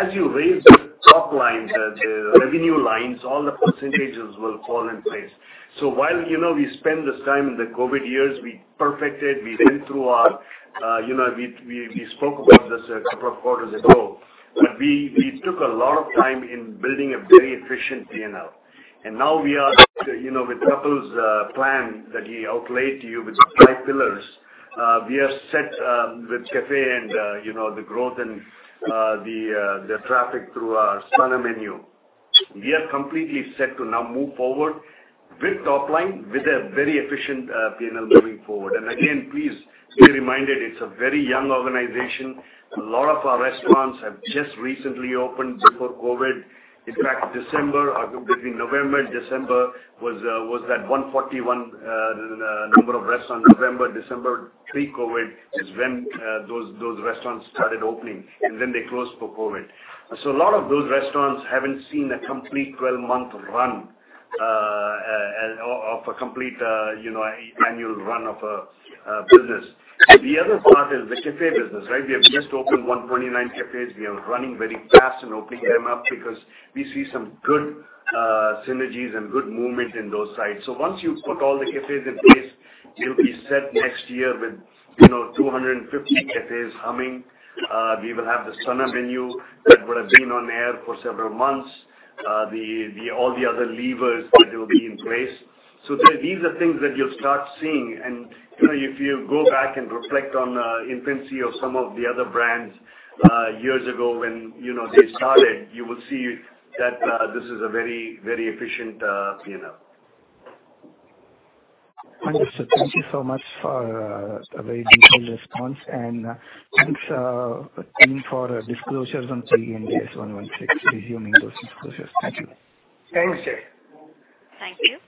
[SPEAKER 4] As you raise the top lines, the revenue lines, all the percentages will fall in place. While, you know, we spend this time in the COVID years, we perfected, we went through our, you know, we spoke about this a couple of quarters ago. We took a lot of time in building a very efficient P&L. Now we are, you know, with Kapil's plan that he laid out to you with the five pillars, we are set, with café and, you know, the growth and the traffic through our Stunner menu. We are completely set to now move forward with top line, with a very efficient P&L moving forward. Again, please be reminded it's a very young organization. A lot of our restaurants have just recently opened before COVID. In fact, December or between November and December was that 141 number of restaurants. November, December pre-COVID is when those restaurants started opening, and then they closed for COVID. A lot of those restaurants haven't seen a complete 12-month run of a complete, you know, annual run of a business. The other part is the Café business, right? We have just opened 129 cafés. We are running very fast and opening them up because we see some good synergies and good movement in those sites.
[SPEAKER 3] Once you put all the cafés in place, you'll be set next year with, you know, 250 cafés humming. We will have the Stunner menu that would have been on air for several months. All the other levers that will be in place. These are things that you'll start seeing. You know, if you go back and reflect on the infancy of some of the other brands years ago when, you know, they started, you will see that this is a very, very efficient P&L.
[SPEAKER 9] Understood. Thank you so much for a very detailed response. Thanks for disclosures on Ind AS 116, resuming those disclosures. Thank you.
[SPEAKER 3] Thanks, Jay.
[SPEAKER 1] Thank you.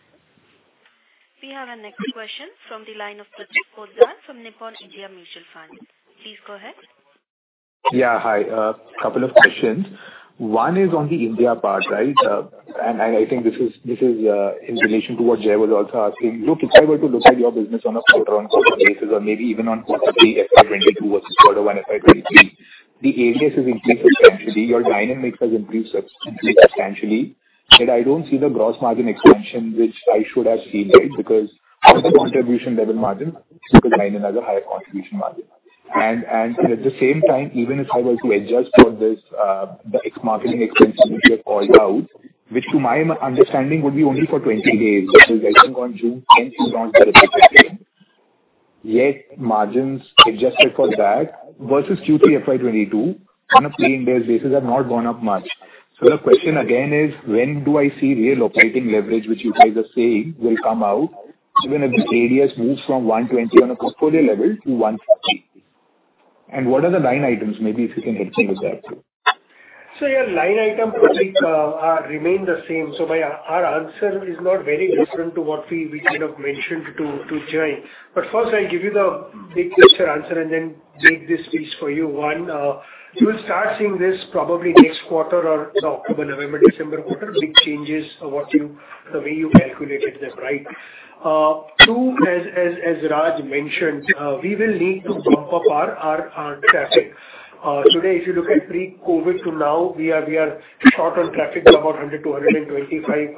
[SPEAKER 1] We have our next question from the line of Prateek Poddar from Nippon India Mutual Fund. Please go ahead.
[SPEAKER 10] Yeah, hi. A couple of questions. One is on the India part, right? I think this is in relation to what Jay was also asking. Look, if I were to look at your business on a quarter-on-quarter basis or maybe even possibly FY 2022 versus Q1 FY 2023, the ADS has increased substantially. Your dynamics has increased substantially, yet I don't see the gross margin expansion which I should have seen, right? Because contribution level margin should align another higher contribution margin. And at the same time, even if I were to adjust for this, the ex-marketing expenses which you have called out, which to my understanding would be only for 20 days, yet margins adjusted for that versus Q3 FY 2022 on a plain basis have not gone up much. The question again is when do I see real operating leverage, which you guys are saying will come out even if the ADS moves from 120 on a portfolio level to 140? What are the line items, maybe if you can help me with that too?
[SPEAKER 3] Yeah, line items, Prateek, remain the same. Our answer is not very different to what we kind of mentioned to Jay. First I'll give you the big picture answer and then break this piece for you. One, you'll start seeing this probably next quarter or October, November, December quarter, big changes of the way you calculated them, right? Two, as Raj mentioned, we will need to bump up our traffic. Today, if you look at pre-COVID to now, we are short on traffic of about 100-125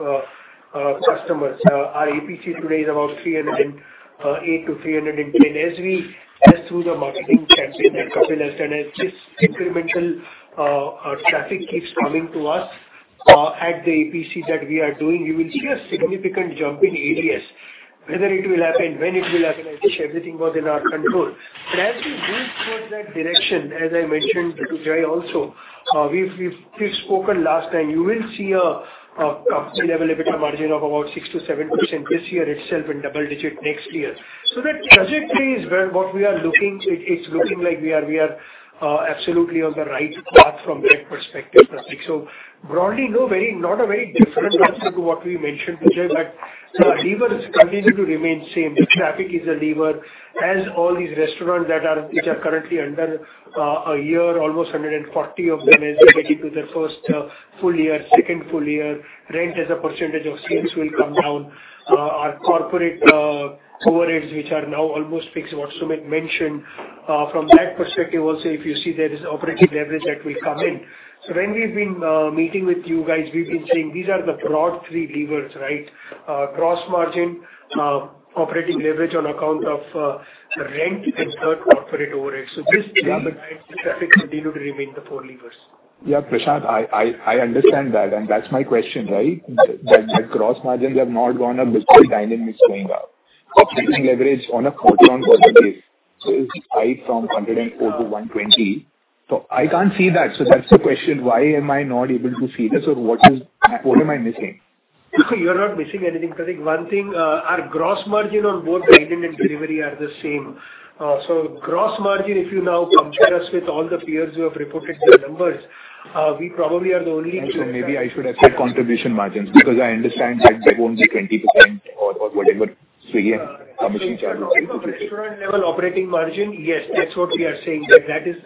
[SPEAKER 3] customers. Our APC today is about 308-310. Through the marketing campaign that Kapil has done, as this incremental traffic keeps coming to us at the APC that we are doing, you will see a significant jump in ADS. Whether it will happen, when it will happen, I wish everything was in our control. As we move towards that direction, as I mentioned to Jay also, we've spoken last time, you will see a [pre-interest] EBITDA margin of about 6%-7% this year itself in double-digit next year. That trajectory is what we are looking. It's looking like we are absolutely on the right path from that perspective, Prateek. Broadly, not a very different answer to what we mentioned, Prateek, but the levers continue to remain same. Traffic is a lever. As all these restaurants which are currently under a year, almost 140 of them as they get into their first full year, second full year, rent as a percentage of sales will come down. Our corporate overheads, which are now almost fixed, what Sumit mentioned, from that perspective also, if you see there is operating leverage that will come in. When we've been meeting with you guys, we've been saying these are the broad three levers, right? Gross margin, operating leverage on account of rent and third corporate overhead. These three and the traffic continue to remain the four levers.
[SPEAKER 10] Yeah, Prashant, I understand that, and that's my question, right? That gross margins have not gone up despite dynamics going up. Operating leverage on a quarter-on-quarter basis is high from 104 to 120. I can't see that. That's the question. Why am I not able to see this? Or what am I missing?
[SPEAKER 3] You're not missing anything, Prateek. One thing, our gross margin on both dine-in and delivery are the same. Gross margin, if you now compare us with all the peers who have reported their numbers, we probably are the only.
[SPEAKER 10] Maybe I should have said contribution margins, because I understand that that won't be 20% or whatever free commission charges.
[SPEAKER 3] Restaurant level operating margin, yes, that's what we are saying that is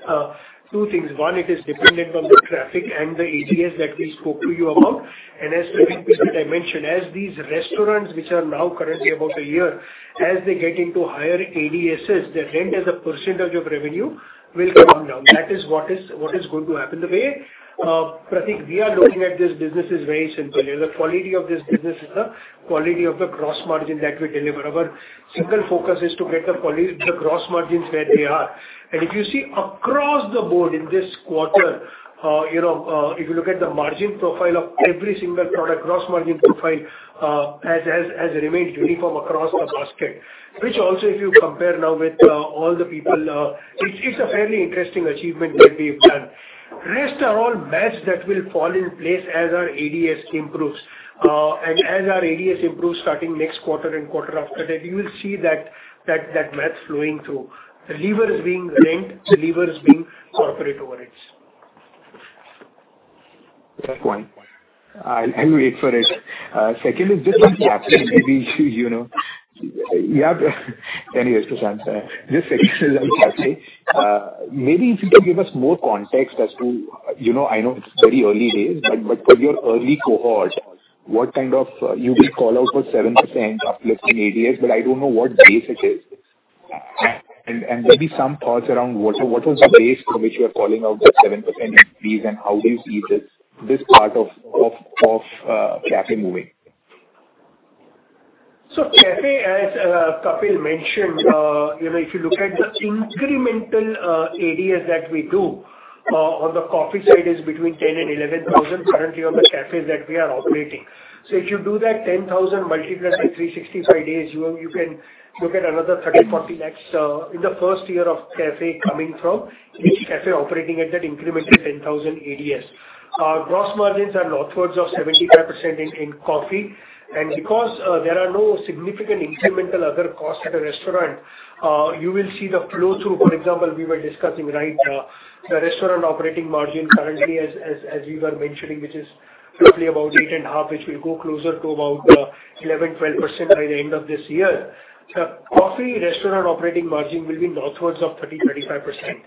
[SPEAKER 3] two things. One, it is dependent on the traffic and the ADS that we spoke to you about. As Prateek just mentioned, as these restaurants which are now currently about a year, as they get into higher ADSs, their rent as a percentage of revenue will come down. That is what is going to happen. The way, Prateek, we are looking at this business is very simple. The quality of this business is the quality of the gross margin that we deliver. Our single focus is to get the gross margins where they are. If you see across the board in this quarter, you know, if you look at the margin profile of every single product, gross margin profile, has remained uniform across the basket. Which, if you compare now with all the peers, it's a fairly interesting achievement that we've done. Rest are all math that will fall in place as our ADS improves. As our ADS improves starting next quarter and quarter after that, you will see that math flowing through. The lever is rent, the lever is corporate overhead.
[SPEAKER 10] That's one. I'll wait for it. Second is just on café. Maybe, you know, anyways, Prashant, second is on café. Maybe if you can give us more context as to, you know, I know it's very early days, but for your early cohort, what kind of you will call out for 7% uplifting ADS, but I don't know what base it is. Maybe some thoughts around what was the base from which you are calling out the 7% increase, and how do you see this part of café moving?
[SPEAKER 3] Café, as Kapil mentioned, you know, if you look at the incremental ADS that we do on the coffee side is between 10,000 and 11,000 currently on the cafés that we are operating. If you do that 10,000 multiplied by 365 days, you can look at another 30-40 lakh in the first year of café coming from each café operating at that incremental 10,000 ADS. Our gross margins are northwards of 75% in coffee. Because there are no significant incremental other costs at a restaurant, you will see the flow through. For example, we were discussing, right, the restaurant operating margin currently as we were mentioning, which is roughly about 8.5, which will go closer to about 11-12% by the end of this year. The coffee restaurant operating margin will be northwards of 30-35%.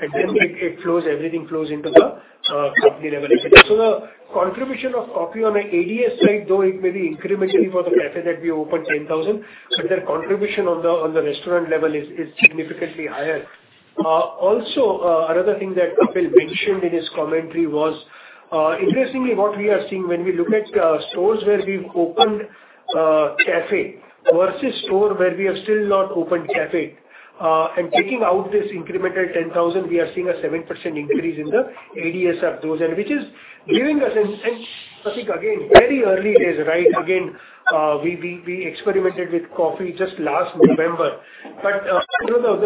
[SPEAKER 3] Then it flows, everything flows into the company level effect. So the contribution of coffee on an ADS side, though it may be incrementally for the café that we opened 10,000, so their contribution on the restaurant level is significantly higher. Also, another thing that Kapil mentioned in his commentary was, interestingly, what we are seeing when we look at stores where we've opened café versus stores where we have still not opened café, and taking out this incremental 10,000, we are seeing a 7% increase in the ADS of those. Prateek, again, very early days, right? Again, we experimented with coffee just last November. You know,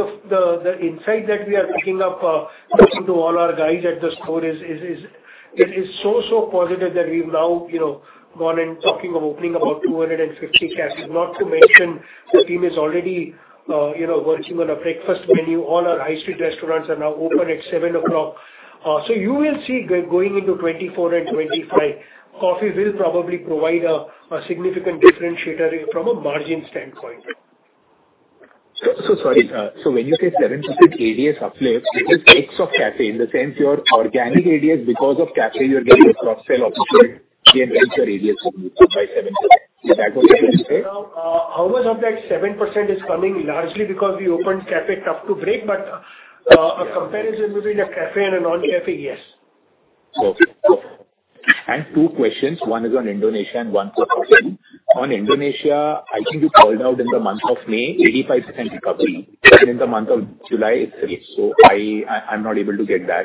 [SPEAKER 3] the insight that we are picking up, talking to all our guys at the store is, it is so positive that we've now, you know, gone in talking of opening about 250 cafés. Not to mention the team is already, you know, working on a breakfast menu. All our high-street restaurants are now open at 7:00 A.M. You will see going into 2024 and 2025, coffee will probably provide a significant differentiator from a margin standpoint.
[SPEAKER 10] Sorry, sir. When you say 7% ADS uplift, it is ex café, in the sense your organic ADS because of café you're getting a cross-sell opportunity and hence your ADS is up by 7%. Is that what you're trying to say?
[SPEAKER 3] Now, how much of that 7% is coming largely because we opened café tough to break, but a comparison between a café and a non-café, yes.
[SPEAKER 10] Okay, cool. Two questions. One is on Indonesia and one for Kapil. On Indonesia, I think you called out in the month of May 85% recovery, but in the month of July it's 30%. I'm not able to get that.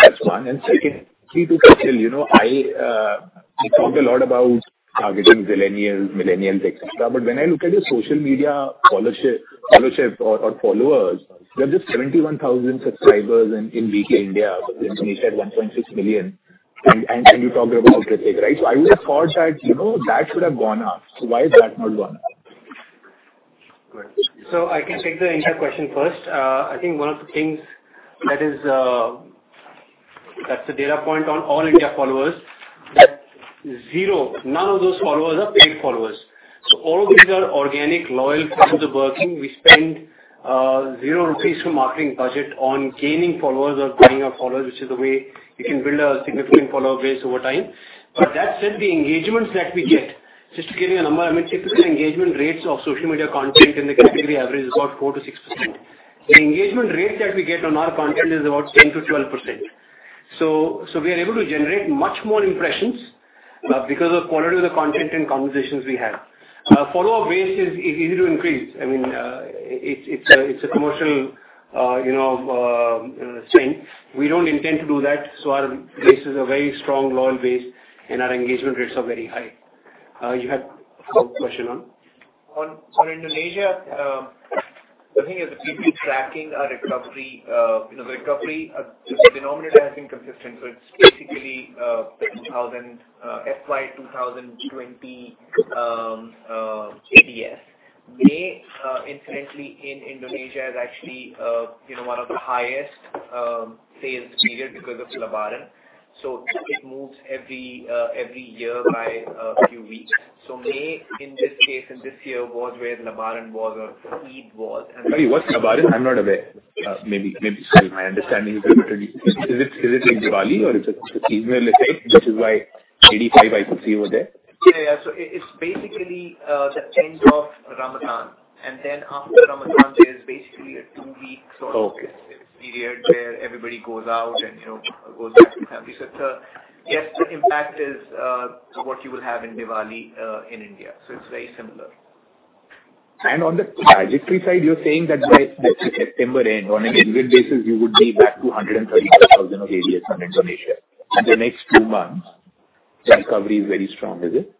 [SPEAKER 10] That's one. Second, to you Kapil, you talked a lot about targeting millennials, et cetera. But when I look at your social media followership or followers, there are just 71,000 subscribers in BK India. Indonesia had 1.6 million. And you talked about CleverTap, right? I would have thought that, you know, that should have gone up. Why is that not gone up?
[SPEAKER 6] Good. I can take the India question first. I think one of the things that is a data point on all India followers, that 0, none of those followers are paid followers. All of these are organic loyal fans are working. We spend 0 rupees from marketing budget on gaining followers or buying our followers, which is a way you can build a significant follower base over time. That said, the engagements that we get, just to give you a number, I mean, typical engagement rates of social media content in the category average is about 4%-6%. The engagement rates that we get on our content is about 10%-12%. We are able to generate much more impressions because of quality of the content and conversations we have. Follower base is easy to increase. I mean, it's a commercial sense. We don't intend to do that. Our base is a very strong loyal base, and our engagement rates are very high. You had a follow-up question on?
[SPEAKER 10] On Indonesia, the thing is we've been tracking our recovery, you know, the denominator has been consistent, so it's basically.
[SPEAKER 3] FY 2020 ADS. May, incidentally in Indonesia is actually, you know, one of the highest sales period because of Lebaran. It moves every year by a few weeks. May, in this case, in this year, was where Lebaran was or Eid was.
[SPEAKER 10] Sorry, what's Lebaran? I'm not aware. Maybe, sorry, my understanding is limited. Is it like Diwali or is it a seasonal effect, which is why 85% SSSG over there?
[SPEAKER 3] Yeah, yeah. It's basically the end of Ramadan. After Ramadan there's basically a two-week sort of
[SPEAKER 10] Okay.
[SPEAKER 3] Period where everybody goes out and, you know, goes back to family. Yes, the impact is what you will have in Diwali in India. It's very similar.
[SPEAKER 10] On the trajectory side, you're saying that by September end on an annual basis you would be back to 134,000 of ADS in Indonesia. In the next two months the recovery is very strong, is it?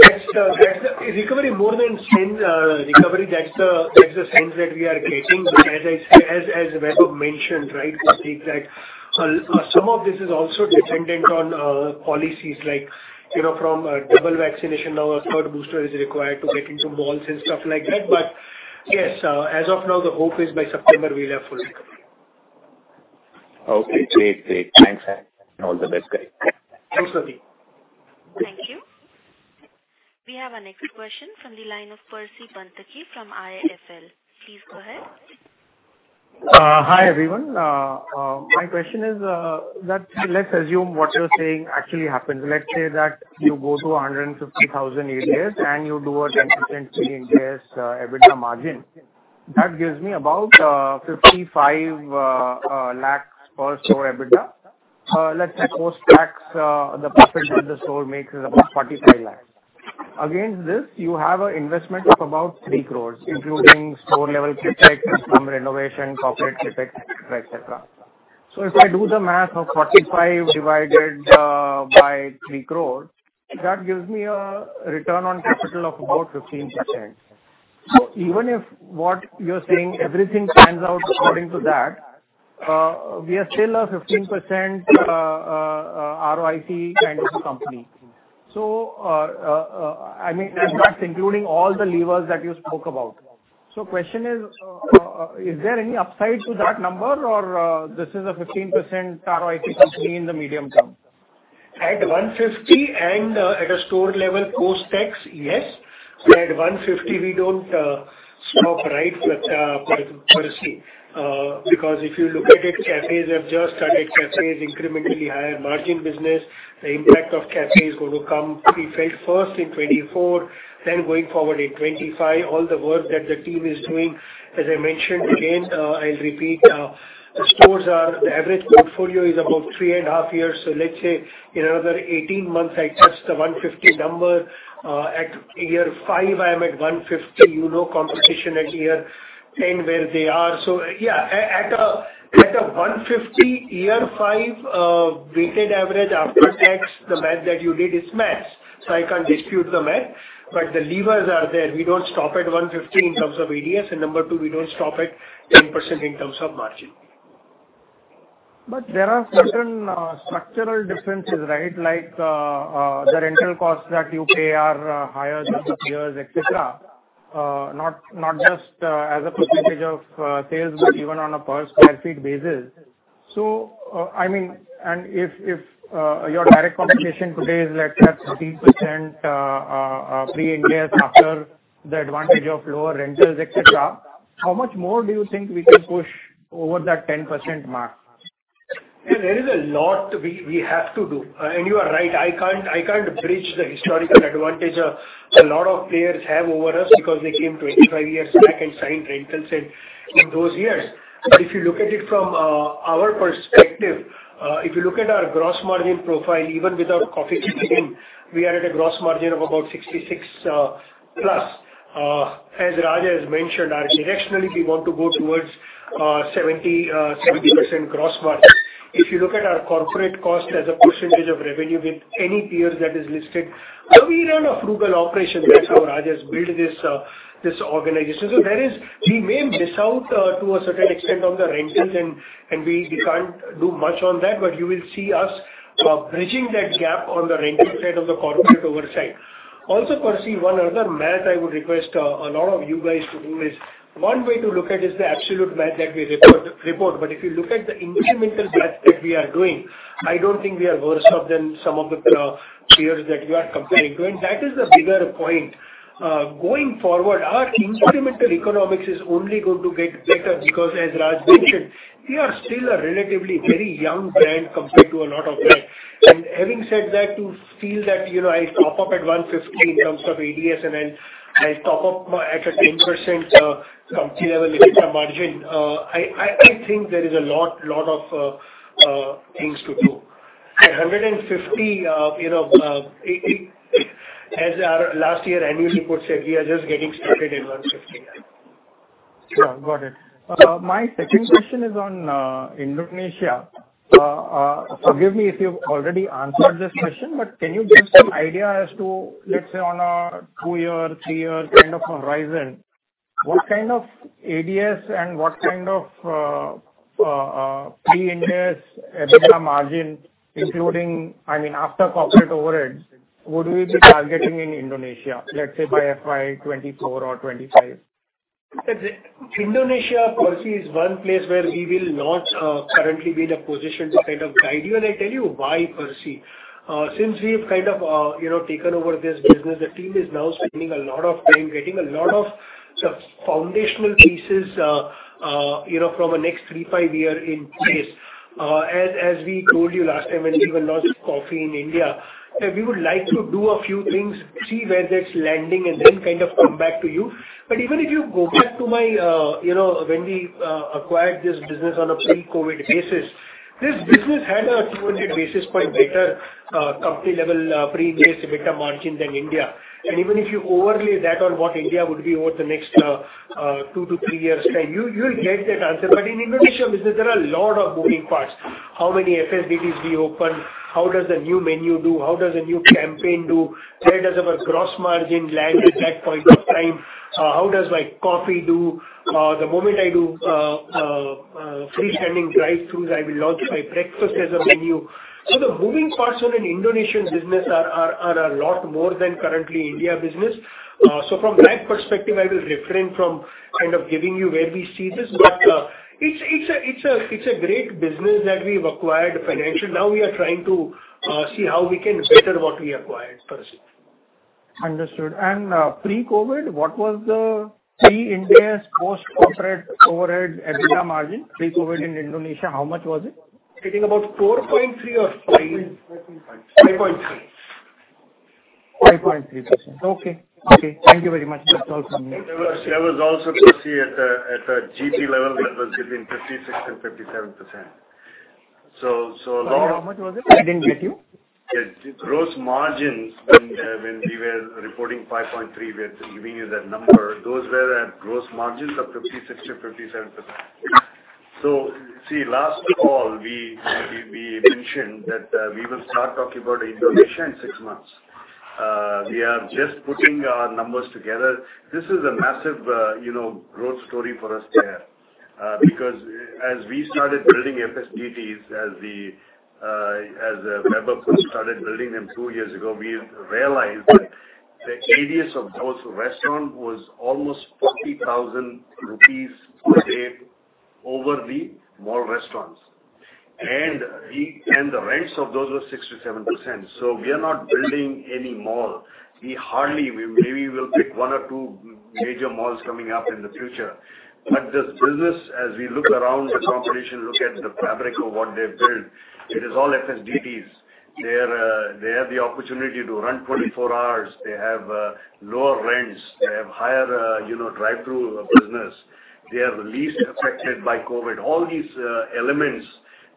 [SPEAKER 3] Yes. That's a recovery more than trend, that's the sense that we are getting. As Vaibhav mentioned, right? The fact, some of this is also dependent on policies like, you know, from double vaccination now a third booster is required to get into malls and stuff like that. Yes, as of now, the hope is by September we'll have full recovery.
[SPEAKER 10] Okay, great. Great. Thanks, and all the best, guys.
[SPEAKER 3] Thanks, Prateek.
[SPEAKER 1] Thank you. We have our next question from the line of Percy Panthaki from IIFL. Please go ahead.
[SPEAKER 11] Hi, everyone. My question is that let's assume what you're saying actually happens. Let's say that you go to 150,000 ADS and you do a 10% pre-interest EBITDA margin. That gives me about 55 lakhs per store EBITDA. Let's say post-tax, the profit that the store makes is about 45 lakhs. Against this you have an investment of about 3 crores, including store-level CapEx, some renovation, corporate CapEx, etc. If I do the math of 45 divided by 3 crores, that gives me a return on capital of about 15%. Even if what you're saying, everything pans out according to that, we are still a 15% ROIC kind of a company. I mean, that's including all the levers that you spoke about. Is there any upside to that number or this is a 15% ROIC company in the medium term?
[SPEAKER 3] At 150 and at a store-level post-tax, yes. At 150 we don't stop, right, Percy. Because if you look at it, cafés have just started. Café is incrementally higher margin business. The impact of café is going to come we felt first in 2024, then going forward in 2025. All the work that the team is doing, as I mentioned again, I'll repeat, the stores are. The average portfolio is about 3.5 years. So let's say in another 18 months I touch the 150 number. At year 5 I am at 150. You know competition at year 10 where they are. So yeah, at a 150 year 5, weighted average after tax, the math that you did is math. So I can't dispute the math, but the levers are there. We don't stop at 150 in terms of ADS, and number two, we don't stop at 10% in terms of margin.
[SPEAKER 11] There are certain structural differences, right? Like, the rental costs that you pay are higher than the peers, et cetera. Not just as a percentage of sales, but even on a per square feet basis. I mean, if your direct competition today is let's say at 30%, pre-interest after the advantage of lower rentals, et cetera, how much more do you think we can push over that 10% mark?
[SPEAKER 3] There is a lot we have to do. You are right, I can't bridge the historical advantage a lot of players have over us because they came 25 years back and signed rentals in those years. If you look at it from our perspective, if you look at our gross margin profile, even without Café Coffee Day again, we are at a gross margin of about 66%+. As Raj has mentioned, directionally we want to go towards 70% gross margin. If you look at our corporate cost as a percentage of revenue with any peer that is listed, we run a frugal operation. That's how Raj's built this organization. We may miss out to a certain extent on the rentals and we can't do much on that. You will see us bridging that gap on the rental side of the corporate oversight. Also, Percy, one other math I would request a lot of you guys to do is one way to look at is the absolute math that we report. If you look at the incremental math that we are doing, I don't think we are worse off than some of the peers that you are comparing to. That is the bigger point. Going forward, our incremental economics is only going to get better because as Raj mentioned, we are still a relatively very young brand compared to a lot of brands. Having said that, to feel that, you know, I top up at 150 in terms of ADS and then I top up at a 10% company level EBITDA margin. I think there is a lot of things to do. At 150, you know, as our last year annual report said, we are just getting started in 150.
[SPEAKER 11] Yeah, got it. My second question is on Indonesia. Forgive me if you've already answered this question, but can you give some idea as to, let's say on a two-year, three-year kind of horizon? What kind of ADS and what kind of pre-Ind AS EBITDA margin including, I mean, after corporate overheads would we be targeting in Indonesia, let's say by FY 2024 or 2025?
[SPEAKER 3] Indonesia, Percy, is one place where we will not currently be in a position to kind of guide you. I tell you why, Percy. Since we've kind of you know taken over this business, the team is now spending a lot of time getting a lot of sort of foundational pieces you know from a next 3-5 year in place. As we told you last time when we even launched coffee in India, that we would like to do a few things, see where that's landing, and then kind of come back to you. Even if you go back to you know when we acquired this business on a pre-COVID basis, this business had a 200 basis point better company level pre-Ind AS EBITDA margin than India. Even if you overlay that on what India would be over the next two to three years' time, you'll get that answer. In Indonesia business, there are a lot of moving parts. How many FSDTs we open? How does the new menu do? How does a new campaign do? Where does our gross margin land at that point of time? How does my coffee do? The moment I do free-standing drive-thrus, I will launch my breakfast as a menu. The moving parts on an Indonesian business are a lot more than currently India business. From that perspective, I will refrain from kind of giving you where we see this. It's a great business that we've acquired financially. Now we are trying to see how we can better what we acquired, Percy.
[SPEAKER 11] Understood. Pre-COVID, what was the pre-Ind AS post-corporate overhead EBITDA margin? Pre-COVID in Indonesia, how much was it?
[SPEAKER 3] I think about 4.3 or 5.
[SPEAKER 4] 5.3.
[SPEAKER 3] 5.3.
[SPEAKER 11] 5.3%. Okay. Thank you very much. That's all from me.
[SPEAKER 4] That was also, Percy, at the GP level that was between 56% and 57%. A lot-
[SPEAKER 11] How much was it? I didn't get you.
[SPEAKER 4] Yes. Gross margins when we were reporting 5.3, we're giving you that number. Those were at gross margins of 56%-57%. See, last call we mentioned that we will start talking about Indonesia in six months. We are just putting our numbers together. This is a massive, you know, growth story for us there. Because as we started building FSDTs, as Vaibhav started building them two years ago, we realized that the ADS of those restaurant was almost 40,000 rupees per day over the mall restaurants. And the rents of those were 6%-7%. We are not building any mall. We hardly— We maybe will pick one or two major malls coming up in the future. This business, as we look around the competition, look at the fabric of what they've built, it is all FSDTs. They're, they have the opportunity to run 24 hours. They have lower rents. They have higher, you know, drive-through business. They are the least affected by COVID. All these, elements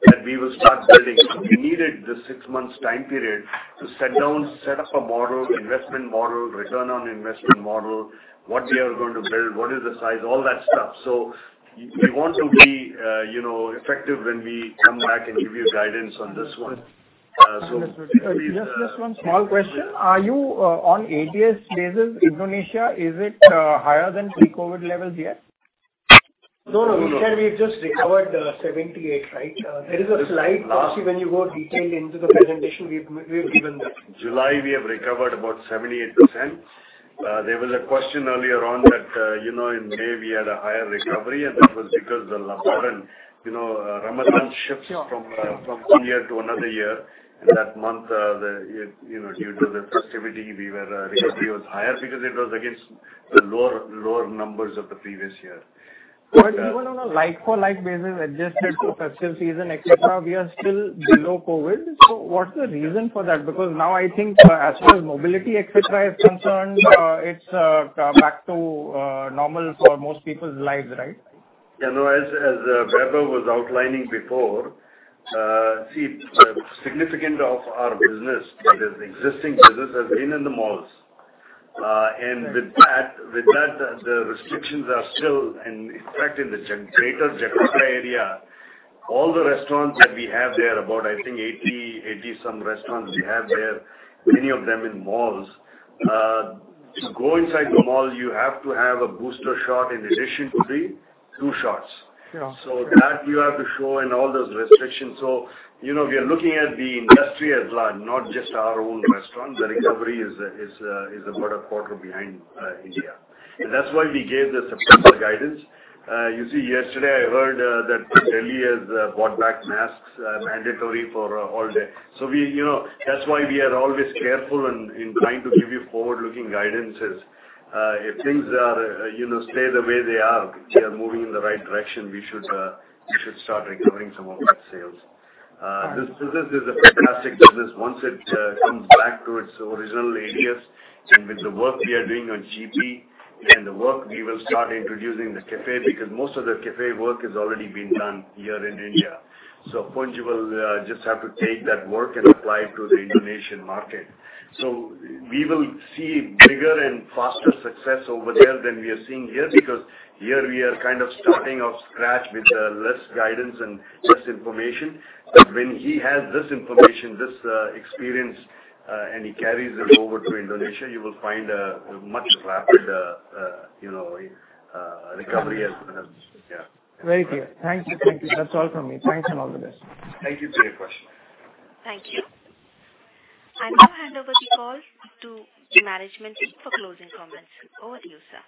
[SPEAKER 4] that we will start building. We needed the six months time period to sit down, set up a model, investment model, return on investment model, what we are going to build, what is the size, all that stuff. We want to be, you know, effective when we come back and give you guidance on this one. Please-
[SPEAKER 11] Just one small question. Are you on ADS basis, Indonesia, is it higher than pre-COVID levels yet?
[SPEAKER 3] No, no. We said we've just recovered 78, right? There is a slight. Percy, when you go into detail in the presentation, we've given that.
[SPEAKER 4] July, we have recovered about 78%. There was a question earlier on that, you know, in May we had a higher recovery and that was because Ramadan, you know, Ramadan shifts from one year to another year. In that month, you know, due to the festivity recovery was higher because it was against the lower numbers of the previous year.
[SPEAKER 11] Even on a like-for-like basis, adjusted to festive season, et cetera, we are still below COVID. What's the reason for that? Because now I think as far as mobility, et cetera, is concerned, it's back to normal for most people's lives, right?
[SPEAKER 4] No. As Vaibhav was outlining before, significant of our business that is existing business has been in the malls. With that, the restrictions are still in effect in the Greater Jakarta area. All the restaurants that we have there, about I think 80-some restaurants we have there, many of them in malls. To go inside the mall you have to have a booster shot in addition to the two shots.
[SPEAKER 11] Yeah.
[SPEAKER 4] that you have to show and all those restrictions. You know, we are looking at the industry at large, not just our own restaurants. The recovery is about a quarter behind India. That's why we gave the September guidance. You see yesterday I heard that Delhi has brought back masks mandatory for all day. We, you know, that's why we are always careful in trying to give you forward-looking guidances. If things are, you know, stay the way they are, we are moving in the right direction. We should start recovering some of that sales. This business is a fantastic business. Once it comes back to its original ADS and with the work we are doing on GP and the work we will start introducing the café because most of the café work has already been done here in India. Vaibhav Punj will just have to take that work and apply it to the Indonesian market. We will see bigger and faster success over there than we are seeing here because here we are kind of starting from scratch with less guidance and less information. When he has this information, this experience, and he carries it over to Indonesia, you will find a much rapid, you know, recovery.
[SPEAKER 11] Very clear. Thank you. Thank you. That's all from me. Thanks and all the best.
[SPEAKER 4] Thank you for your question.
[SPEAKER 1] Thank you. I now hand over the call to management for closing comments. Over to you, sir.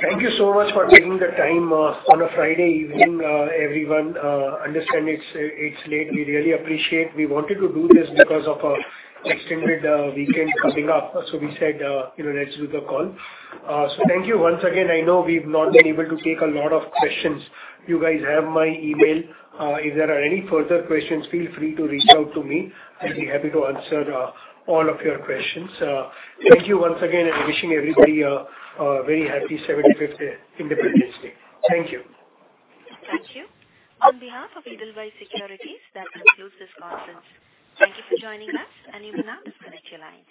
[SPEAKER 3] Thank you so much for taking the time on a Friday evening, everyone. Understand it's late. We really appreciate. We wanted to do this because of extended weekend coming up. We said, you know, let's do the call. Thank you once again. I know we've not been able to take a lot of questions. You guys have my email. If there are any further questions, feel free to reach out to me. I'd be happy to answer all of your questions. Thank you once again and wishing everybody a very happy 75th Independence Day. Thank you.
[SPEAKER 1] Thank you. On behalf of Edelweiss Securities, that concludes this conference. Thank you for joining us and you may now disconnect your lines.